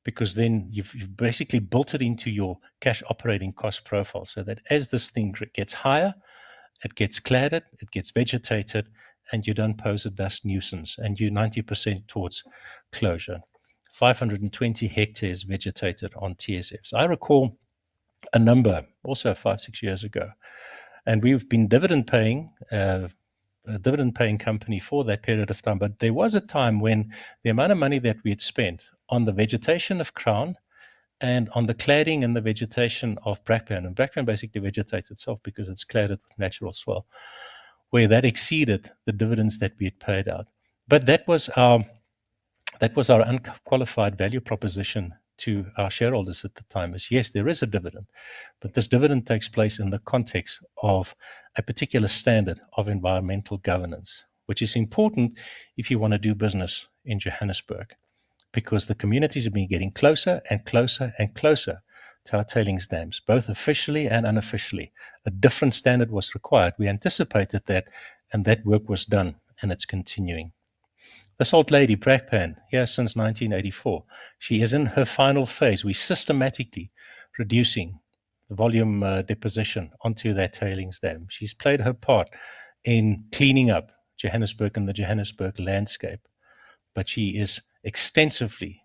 because then you've basically built it into your cash operating cost profile so that as this thing gets higher, it gets cladded, it gets vegetated, and you don't pose a dust nuisance and you're 90% towards closure. 520 hectares vegetated on TSF. I recall a number also five, six years ago. We've been a dividend-paying company for that period of time. There was a time when the amount of money that we had spent on the vegetation of Crown and on the cladding and the vegetation of Brakpan, and Brakpan basically vegetates itself because it's cladded natural soil, where that exceeded the dividends that we had paid out. That was our unqualified value proposition to our shareholders at the time: yes, there is a dividend, but this dividend takes place in the context of a particular standard of environmental governance, which is important if you want to do business in Johannesburg because the communities have been getting closer and closer and closer to our tailings dams, both officially and unofficially. A different standard was required. We anticipated that, and that work was done, and it's continuing. This old lady, Brakpan, here since 1984, she is in her final phase. We're systematically reducing the volume deposition onto that tailings dam. She's played her part in cleaning up Johannesburg and the Johannesburg landscape, but she is extensively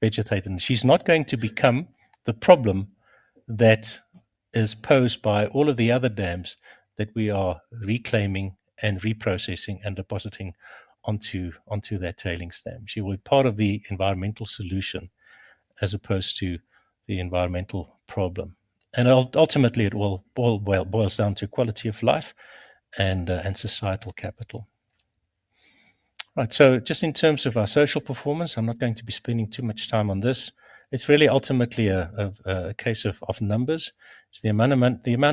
vegetated. She's not going to become the problem that is posed by all of the other dams that we are reclaiming and reprocessing and depositing onto that tailings dam. She will be part of the environmental solution as opposed to the environmental problem. Ultimately, it all boils down to quality of life and societal capital. Right. Just in terms of our social performance, I'm not going to be spending too much time on this. It's really ultimately a case of numbers. The amount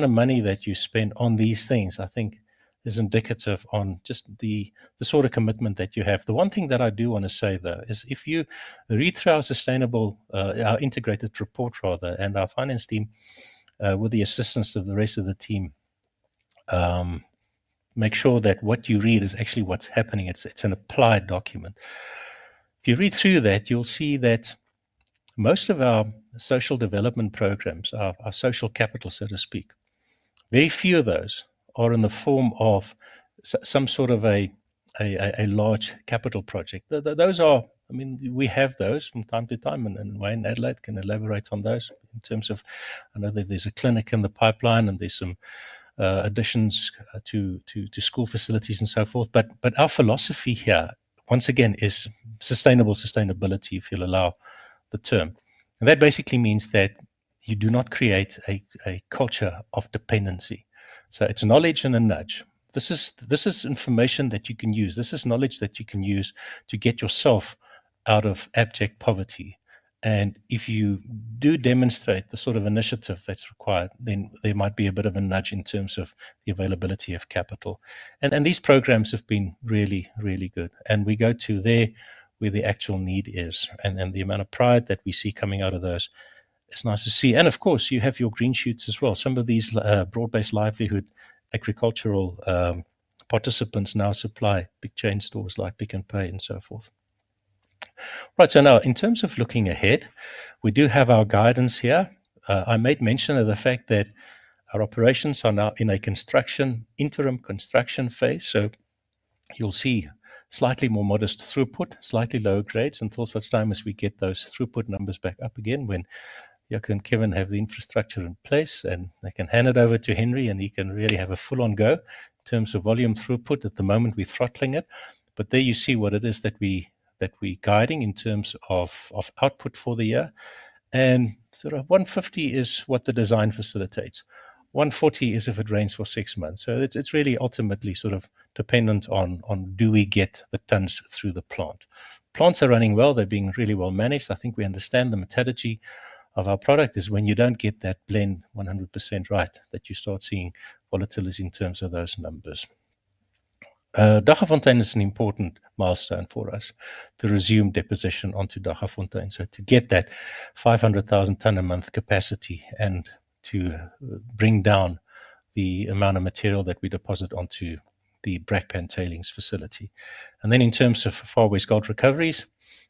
of money that you spend on these things, I think, is indicative on just the sort of commitment that you have. The one thing that I do want to say, though, is if you read through our integrated report, and our finance team with the assistance of the rest of the team make sure that what you read is actually what's happening. It's an applied document. If you read through that, then. Most of our social development programs are social capital, so to speak. Very few of those are in the form of some sort of a large capital project. We have those from time to time, and Wayne Adelaide can elaborate on those in terms of, I know that there's a clinic in the pipeline and there's some additions to school facilities and so forth. Our philosophy here, once again, is sustainable sustainability, if you'll allow the term. That basically means that you do not create a culture of dependency. It's a knowledge and a nudge. This is information that you can use. This is knowledge that you can use to get yourself out of abject poverty. If you do demonstrate the sort of initiative that's required, then there might be a bit of a nudge in terms of the availability of capital. These programs have been really, really good. We go to where the actual need is. The amount of pride that we see coming out of those, it's nice to see. Of course, you have your green shoots as well. Some of these broad-based livelihood agricultural participants now supply big chain stores like Pick and Pay and so forth. Right, in terms of looking ahead, we do have our guidance here. I made mention of the fact that our operations are now in an interim construction phase. You'll see slightly more modest throughput, slightly lower grades until such time as we get those throughput numbers back up again when Jaco and Kevin have the infrastructure in place. I can hand it over to Henriette and he can really have a full-on go in terms of volume throughput. At the moment, we're throttling it. There you see what it is that we're guiding in terms of output for the year. Sort of 150 is what the design facilitates. 140 is if it rains for six months. It's really ultimately sort of dependent on do we get the tons through the plant. Plants are running well. They're being really well managed. I think we understand the methodology of our product is when you don't get that blend 100% right, you start seeing volatility in terms of those numbers. Daggafontein is an important milestone for us to resume deposition onto Daggafontein. To get that 500,000 tonne a month capacity and to bring down the amount of material that we deposit onto the Brakpan Tailings facility. In terms of Far West Gold Recoveries,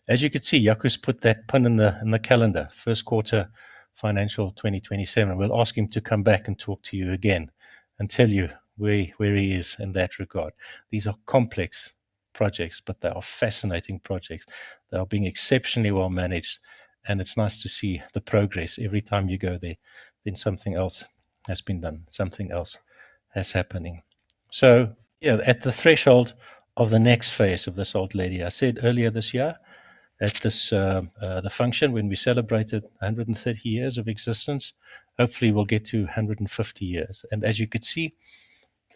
as you can see, Jaco's put that pun in the calendar, first quarter financial 2027. We'll ask him to come back and talk to you again and tell you where he is in that regard. These are complex projects, but they are fascinating projects. They are being exceptionally well managed, and it's nice to see the progress every time you go there. Then something else has been done, something else is happening. At the threshold of the next phase of this old lady, I said earlier this year at the function, when we celebrated 130 years of existence, hopefully we'll get to 150 years. As you can see,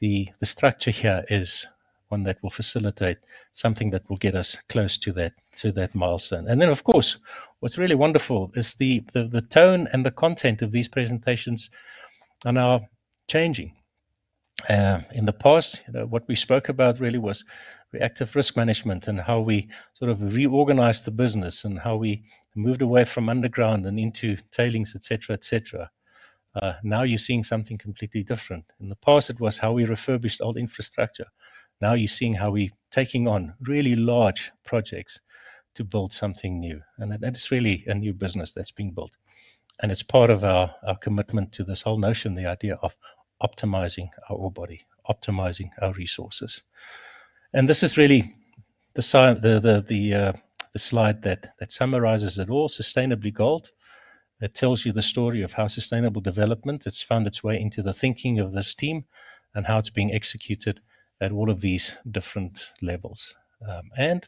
the structure here is one that will facilitate something that will get us close to that milestone. Of course, what's really wonderful is the tone and the content of these presentations are now changing. In the past, what we spoke about really was reactive risk management and how we sort of reorganized the business and how we moved away from underground and into tailings, et cetera, et cetera. Now you're seeing something completely different. In the past, it was how we refurbished old infrastructure. Now you're seeing how we're taking on really large projects to build something new. That is really a new business that's been built, and it's part of our commitment to this whole notion, the idea of optimizing our old body, optimizing our resources. This is really the slide that summarizes it all, Sustainably Gold. It tells you the story of how sustainable development has found its way into the thinking of this team and how it's being executed at all of these different levels. I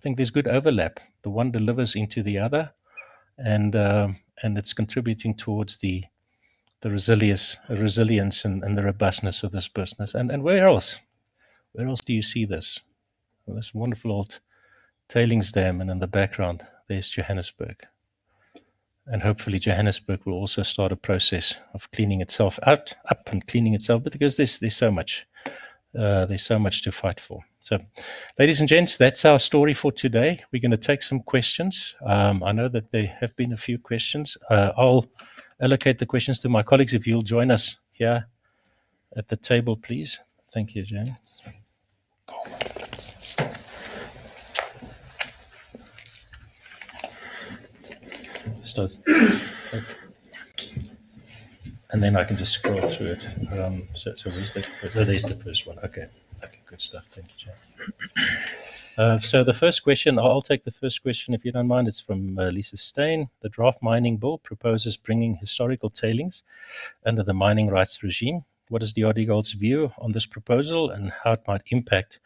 think there's good overlap. The one delivers into the other, and it's contributing towards the resilience and the robustness of this business. Where else do you see this? There's one float, Tailings Dam, and in the background, there's Johannesburg. Hopefully, Johannesburg will also start a process of cleaning itself out, up and cleaning itself, because there's so much. There's so much to fight for. Ladies and gents, that's our story for today. We're going to take some questions. I know that there have been a few questions. I'll allocate the questions to my colleagues if you'll join us here at the table, please. Thank you, Jane. I can just scroll through it. It's always the first one. Good stuff. Thank you, Jane. The first question, I'll take the first question if you don't mind. It's from Lisa Stein. The draft mining board proposes bringing historical tailings under the mining rights regime. What is DRDGOLD's view on this proposal and how it might impact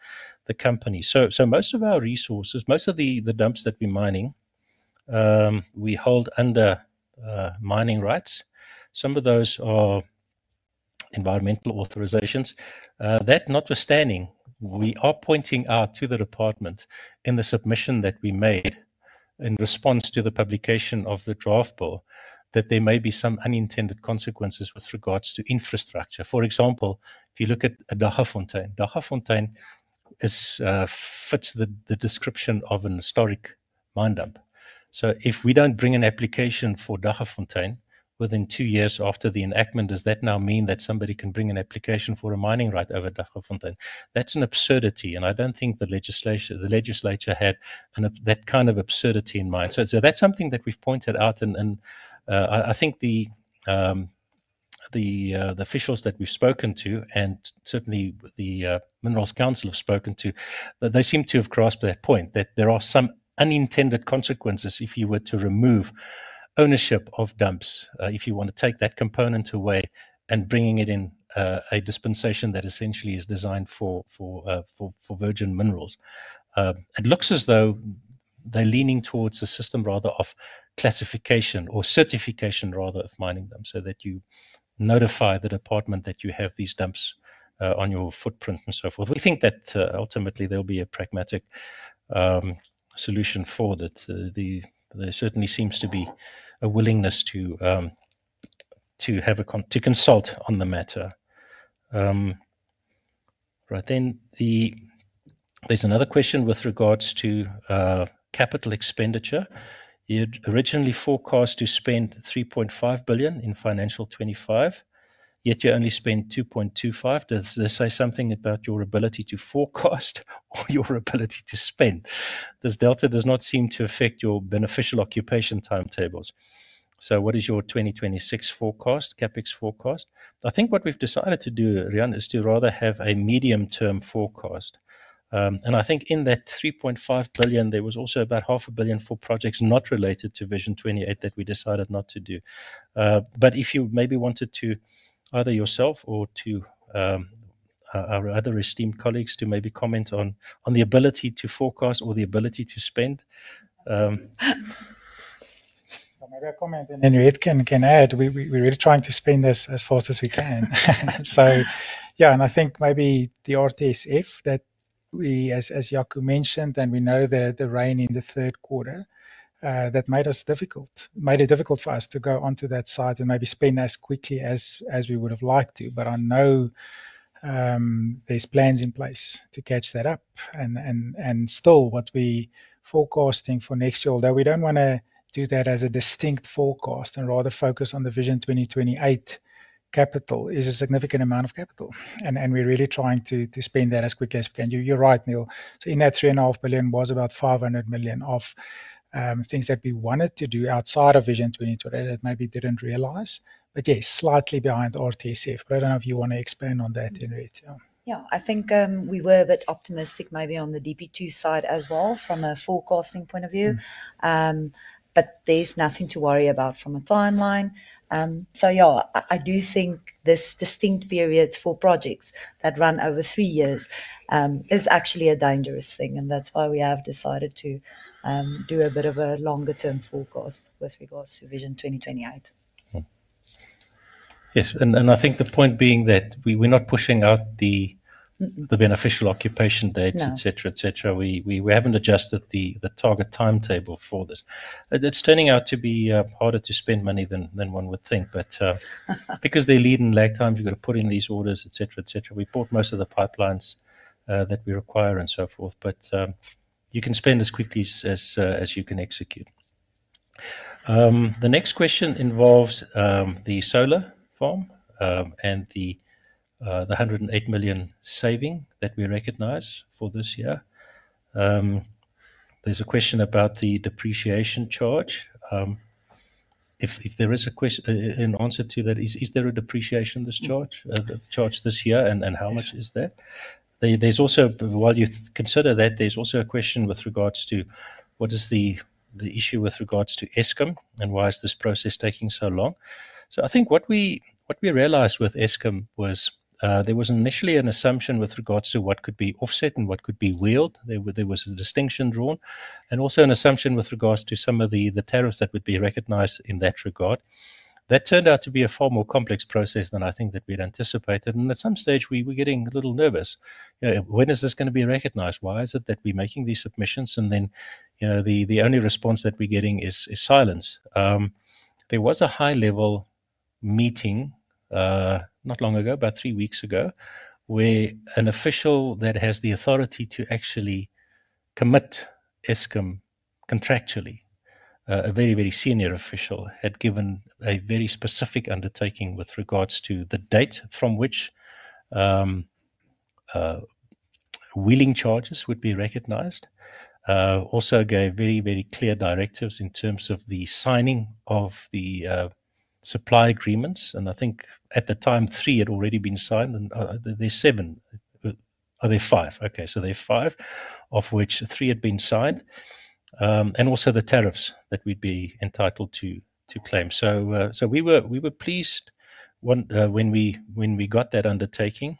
the company? Most of our resources, most of the dumps that we're mining, we hold under mining rights. Some of those are environmental authorizations. That notwithstanding, we are pointing out to the department in the submission that we made in response to the publication of the draft board that there may be some unintended consequences with regards to infrastructure. For example, if you look at Daggfontein, Daggafontein fits the description of a historic mine dump. If we don't bring an application for Daggafontein within two years after the enactment, does that now mean that somebody can bring an application for a mining right over Daggafontein? That's an absurdity. I don't think the legislature had that kind of absurdity in mind. That's something that we've pointed out. I think the officials that we've spoken to and certainly the Minerals Council have spoken to, they seem to have crossed that point that there are some unintended consequences if you were to remove ownership of dumps. If you want to take that component away and bring it in a dispensation that essentially is designed for virgin minerals, it looks as though they're leaning towards a system rather of classification or certification rather of mining them so that you notify the department that you have these dumps on your footprint and so forth. We think that ultimately there'll be a pragmatic solution for that. There certainly seems to be a willingness to consult on the matter. Right. There's another question with regards to capital expenditure. You'd originally forecast to spend 3.5 billion in financial 2025, yet you only spend 2.25 billion. Does this say something about your ability to forecast or your ability to spend? This delta does not seem to affect your beneficial occupation timetables. What is your 2026 forecast, CapEx forecast? I think what we've decided to do, Riaan, is to rather have a medium-term forecast. I think in that 3.5 billion, there was also about half a billion for projects not related to Vision 2028 that we decided not to do. If you maybe wanted to either yourself or to our other esteemed colleagues to maybe comment on the ability to forecast or the ability to spend. Maybe I'll comment. Henriette can add. We're really trying to spend this as fast as we can. Yeah, I think maybe the odd is if that we, as Jaco mentioned, and we know the rain in the third quarter, that made it difficult for us to go onto that site and maybe spend as quickly as we would have liked to. I know there's plans in place to catch that up. What we're forecasting for next year, although we don't want to do that as a distinct forecast and rather focus on the Vision 2028 capital, is a significant amount of capital. We're really trying to spend that as quickly as we can. You're right, Niël. In that 3.5 billion was about 500 million of things that we wanted to do outside of Vision 2028 that maybe didn't realize. Yes, slightly behind RTSF. I don't know if you want to expand on that, Henriette. Yeah, I think we were a bit optimistic maybe on the DP2 side as well from a forecasting point of view. There's nothing to worry about from a timeline. I do think this distinct period for projects that run over three years is actually a dangerous thing. That's why we have decided to do a bit of a longer-term forecast with regards to Vision 2028. Yes, and I think the point being that we're not pushing out the beneficial occupation dates, etc. We haven't adjusted the target timetable for this. It's turning out to be harder to spend money than one would think. Because there are leading lag times, you've got to put in these orders, etc. We bought most of the pipelines that we require and so forth. You can spend as quickly as you can execute. The next question involves the solar farm and the 108 million saving that we recognize for this year. There's a question about the depreciation charge. If there is an answer to that, is there a depreciation charge this year and how much is that? While you consider that, there's also a question with regards to what is the issue with regards to Eskom and why is this process taking so long? I think what we realized with Eskom was there was initially an assumption with regards to what could be offset and what could be wheeled. There was a distinction drawn and also an assumption with regards to some of the tariffs that would be recognized in that regard. That turned out to be a far more complex process than I think that we'd anticipated. At some stage, we were getting a little nervous. When is this going to be recognized? Why is it that we're making these submissions and then the only response that we're getting is silence? There was a high-level meeting not long ago, about three weeks ago, where an official that has the authority to actually commit Eskom contractually, a very, very senior official, had given a very specific undertaking with regards to the date from which wheeling charges would be recognized. Also, gave very, very clear directives in terms of the signing of the supply agreements. I think at the time, three had already been signed. Are there seven? Are there five? Okay, so there are five of which three had been signed. Also the tariffs that we'd be entitled to claim. We were pleased when we got that undertaking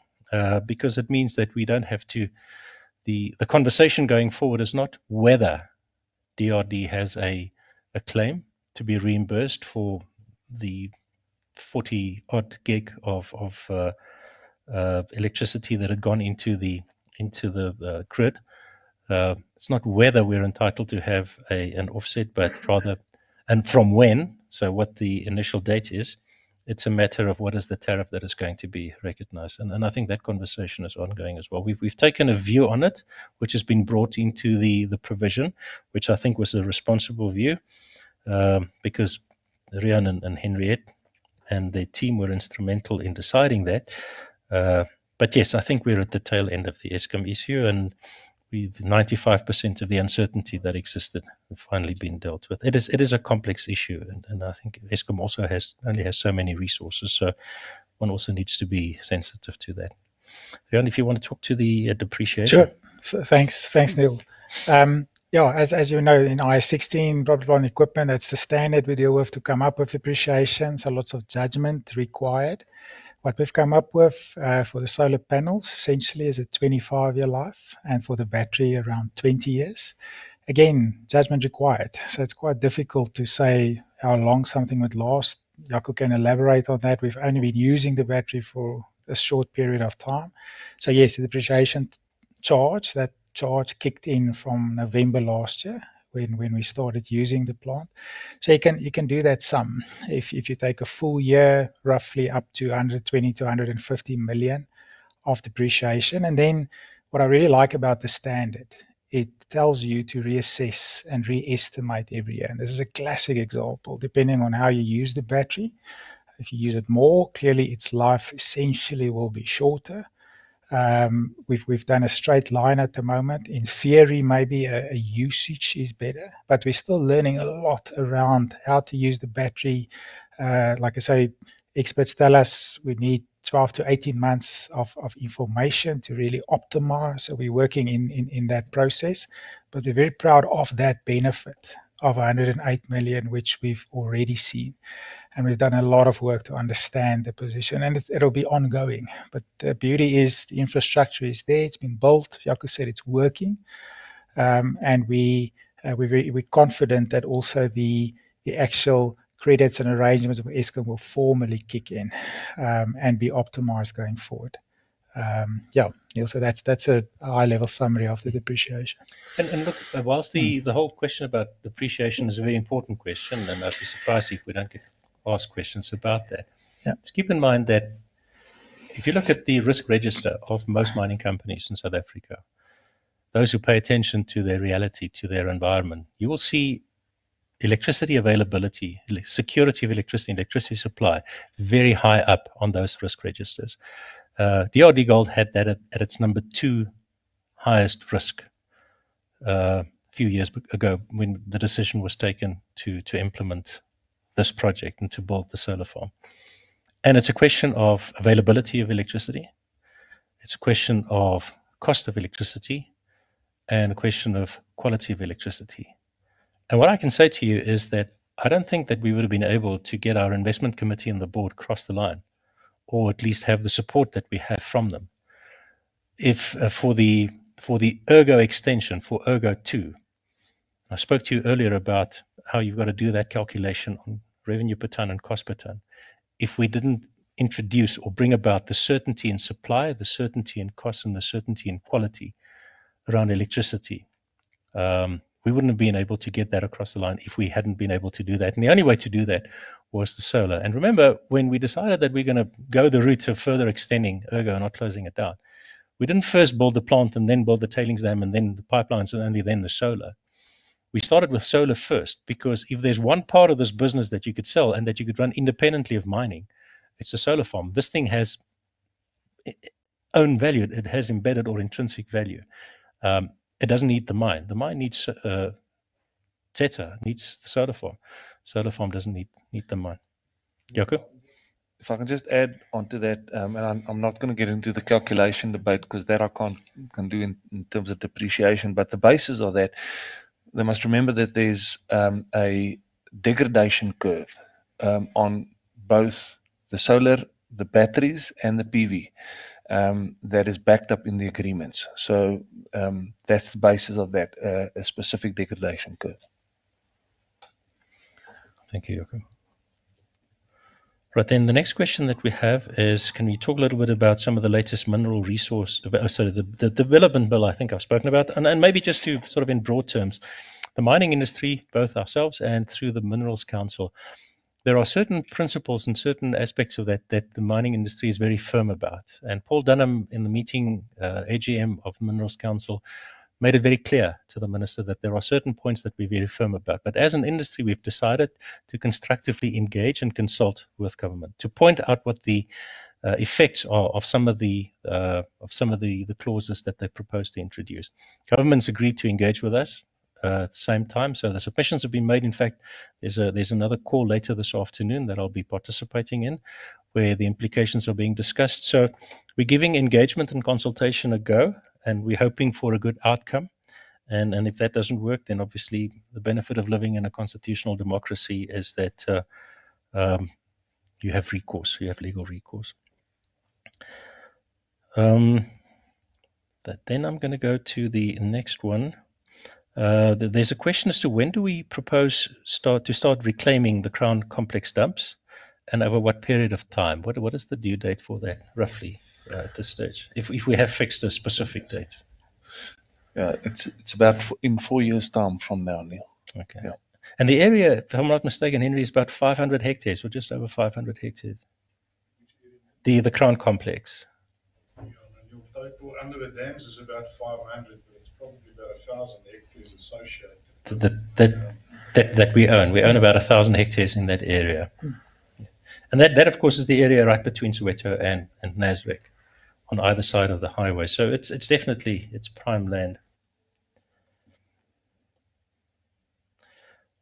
because it means that we don't have to... The conversation going forward is not whether DRDGOLD has a claim to be reimbursed for the 40-odd gig of electricity that had gone into the grid. It's not whether we're entitled to have an offset, but rather from when, so what the initial date is. It's a matter of what is the tariff that is going to be recognized. I think that conversation is ongoing as well. We've taken a view on it, which has been brought into the provision, which I think was a responsible view because Riaan and Henriette and their team were instrumental in deciding that. Yes, I think we're at the tail end of the Eskom issue and the 95% of the uncertainty that existed has finally been dealt with. It is a complex issue. I think Eskom also only has so many resources. One also needs to be sensitive to that. Riaan, if you want to talk to the depreciator. Sure. Thanks, Niël. As you know, in IAS 16, probably on equipment, it's the standard we deal with to come up with depreciation. Lots of judgment required. What we've come up with for the solar panels essentially is a 25-year life and for the battery around 20 years. Again, judgment required. It's quite difficult to say how long something would last. Jaco can elaborate on that. We've only been using the battery for a short period of time. The depreciation charge, that charge kicked in from November last year when we started using the plant. You can do that sum if you take a full year, roughly up to 120 million-150 million of depreciation. What I really like about the standard, it tells you to reassess and reestimate every year. This is a classic example, depending on how you use the battery. If you use it more, clearly its life essentially will be shorter. We've done a straight line at the moment. In theory, maybe a usage is better, but we're still learning a lot around how to use the battery. Like I say, experts tell us we need 12 to 18 months of information to really optimize. We're working in that process. We're very proud of that benefit of 108 million, which we've already seen. We've done a lot of work to understand the position. It'll be ongoing. The beauty is the infrastructure is there. It's been built. Jaco said it's working. We're confident that also the actual credits and arrangements of Eskom will formally kick in and be optimized going forward. Niël, that's a high-level summary of the depreciation. Whilst the whole question about depreciation is a very important question, I'd be surprised if we don't get asked questions about that. Just keep in mind that if you look at the risk register of most mining companies in South Africa, those who pay attention to their reality, to their environment, you will see electricity availability, security of electricity, and electricity supply very high up on those risk registers. DRDGOLD had that at its number two highest risk a few years ago when the decision was taken to implement this project and to build the solar farm. It's a question of availability of electricity, a question of cost of electricity, and a question of quality of electricity. What I can say to you is that I don't think that we would have been able to get our investment committee and the board across the line, or at least have the support that we have from them, if for the Ergo extension, for Ergo two—I spoke to you earlier about how you've got to do that calculation on revenue per ton and cost per ton—if we didn't introduce or bring about the certainty in supply, the certainty in cost, and the certainty in quality around electricity, we wouldn't have been able to get that across the line if we hadn't been able to do that. The only way to do that was the solar. Remember, when we decided that we're going to go the route of further extending Ergo and not closing it down, we didn't first build the plant and then build the tailings and then the pipelines and only then the solar. We started with solar first because if there's one part of this business that you could sell and that you could run independently of mining, it's a solar farm. This thing has its own value. It has embedded or intrinsic value. It doesn't need the mine. The mine needs Teta, needs the solar farm. Solar farm doesn't need the mine. Jaco? If I can just add onto that, I'm not going to get into the calculation about because that I can't do in terms of depreciation, but the basis of that, we must remember that there's a degradation curve on both the solar, the batteries, and the PV that is backed up in the agreements. That's the basis of that, a specific degradation curve. Thank you, Jaco. Right then. The next question that we have is, can we talk a little bit about some of the latest mineral resource, so the development bill I think I've spoken about? Maybe just to sort of in broad terms, the mining industry, both ourselves and through the Minerals Council, there are certain principles and certain aspects of that that the mining industry is very firm about. Paul Dunham in the meeting, AGM of the Minerals Council, made it very clear to the minister that there are certain points that we're very firm about. As an industry, we've decided to constructively engage and consult with government to point out what the effects are of some of the clauses that they've proposed to introduce. Government's agreed to engage with us at the same time. There's a patient that's been made. In fact, there's another call later this afternoon that I'll be participating in where the implications are being discussed. We're giving engagement and consultation a go, and we're hoping for a good outcome. If that doesn't work, obviously the benefit of living in a constitutional democracy is that you have recourse, you have legal recourse. I'm going to go to the next one. There's a question as to when do we propose to start reclaiming the Crown Complex dumps and over what period of time? What is the due date for that roughly at this stage if we have fixed a specific date? Yeah, it's about in four years' time from now, Niël. Okay. The area, if I'm not mistaken, Henriette, is about 500 hectares, so just over 500 hectares. The Crown Complex. The answer is about 500. That we own. We own about 1,000 hectares in that area. That, of course, is the area right between Suretho and Naswick on either side of the highway. It's definitely prime land.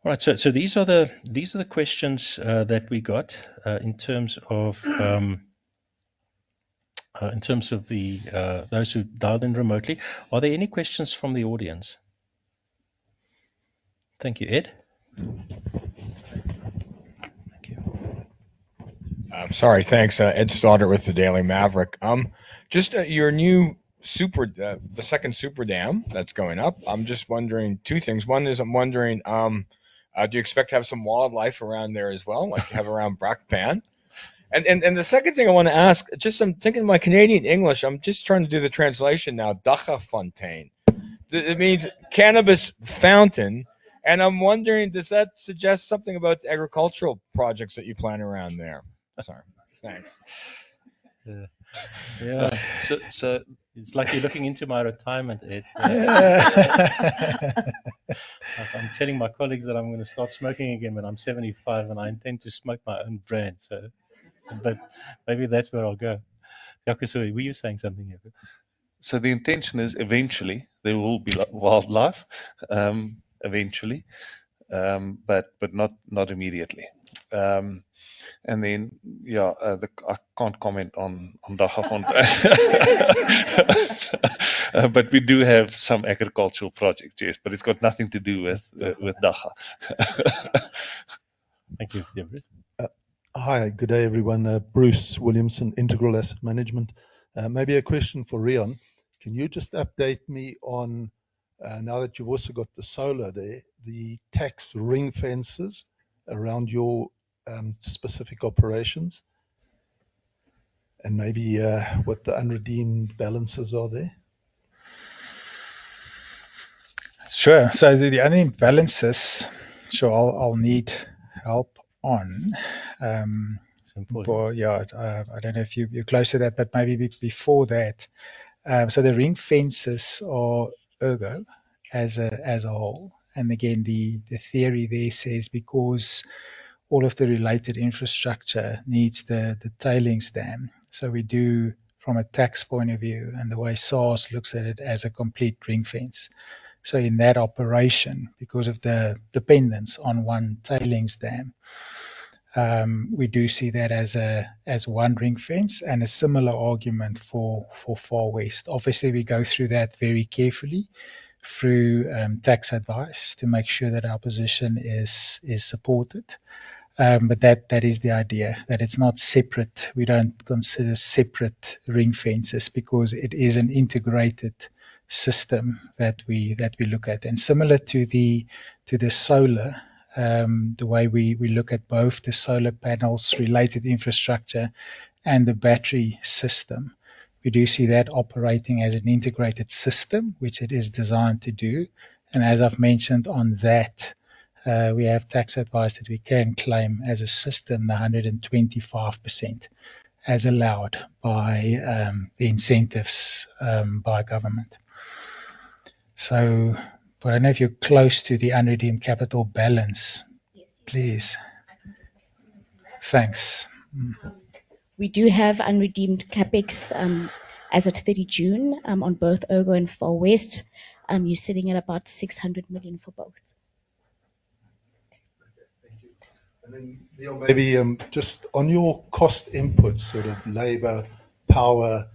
All right, these are the questions that we got in terms of those who dialed in remotely. Are there any questions from the audience? Thank you, Ed. Sorry. Thanks. Ed Stoddard with the Daily Maverick. Just your new super, the second super dam that's going up. I'm just wondering two things. One is I'm wondering, do you expect to have some wildlife around there as well, like you have around Brakpan? The second thing I want to ask, I'm thinking of my Canadian English. I'm just trying to do the translation now. Daggafontein It means cannabis fountain. I'm wondering, does that suggest something about the agricultural projects that you plan around there? Sorry. Thanks. Yeah. It's like you're looking into my retirement, Ed. I'm telling my colleagues that I'm going to start smoking again when I'm 75, and I intend to smoke my own bread. Maybe that's where I'll go. Jaco, were you saying something here? The intention is eventually there will be wildlife, but not immediately. I can't comment on Daggafontein. We do have some agricultural projects, yes. It's got nothing to do with Dagga. Thank you. Yeah. Hi. Good day, everyone. Bruce Williamson, Integral Asset Management. Maybe a question for Riaan. Can you just update me on now that you've also got the solar there, the tax ring fences around your specific operations, and maybe what the unredeemed balances are there? Sure. The unredeemed balances, I'll need help on. I don't know if you're close to that, but maybe before that. The ring fences are Ergo as a whole. The theory there says because all of the related infrastructure needs the tailings dam. We do, from a tax point of view and the way SARS looks at it, as a complete ring fence. In that operation, because of the dependence on one tailings dam, we do see that as one ring fence and a similar argument for Far West. We go through that very carefully through tax advice to make sure that our position is supported. That is the idea, that it's not separate. We don't consider separate ring fences because it is an integrated system that we look at. Similar to the solar, the way we look at both the solar panels related to infrastructure and the battery system, we do see that operating as an integrated system, which it is designed to do. As I've mentioned on that, we have tax advice that we can claim as a system the 125% as allowed by the incentives by government. I don't know if you're close to the unredeemed capital balance, please. Thanks. We do have unredeemed CapEx as of 30 June on both Ergo and Far West. You're sitting at about 600 million for both. Maybe just on your cost inputs, sort of labor, power,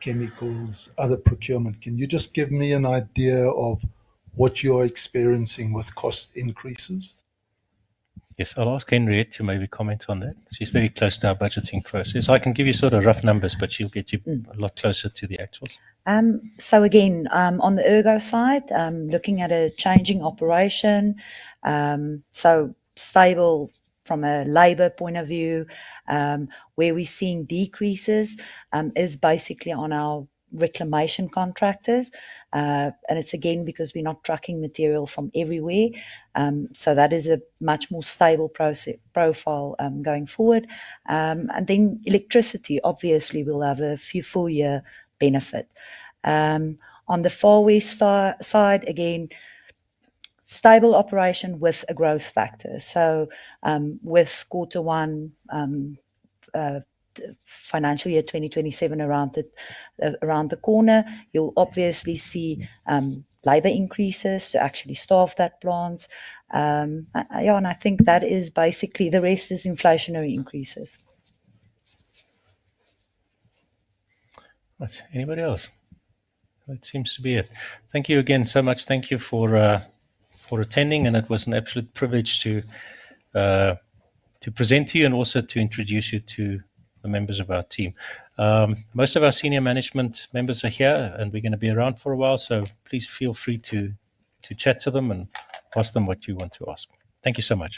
chemicals, other procurement, can you just give me an idea of what you're experiencing with cost increases? Yes, I'll ask Henriette to maybe comment on that. She's very close to our budgeting process. I can give you sort of rough numbers, but she'll get you a lot closer to the actuals. On the Ergo side, looking at a changing operation, stable from a labor point of view. Where we're seeing decreases is basically on our reclamation contractors, and it's because we're not tracking material from everywhere. That is a much more stable profile going forward. Electricity will have a few full-year benefits. On the Far West side, again, stable operation with a growth factor. With quarter one, financial year 2027 around the corner, you'll see labor increases to actually start that plant. I think that is basically the rest; it's inflationary increases. Anybody else? That seems to be it. Thank you again so much. Thank you for attending. It was an absolute privilege to present to you and also to introduce you to the members of our team. Most of our Senior Management members are here, and we're going to be around for a while. Please feel free to chat to them and ask them what you want to ask. Thank you so much.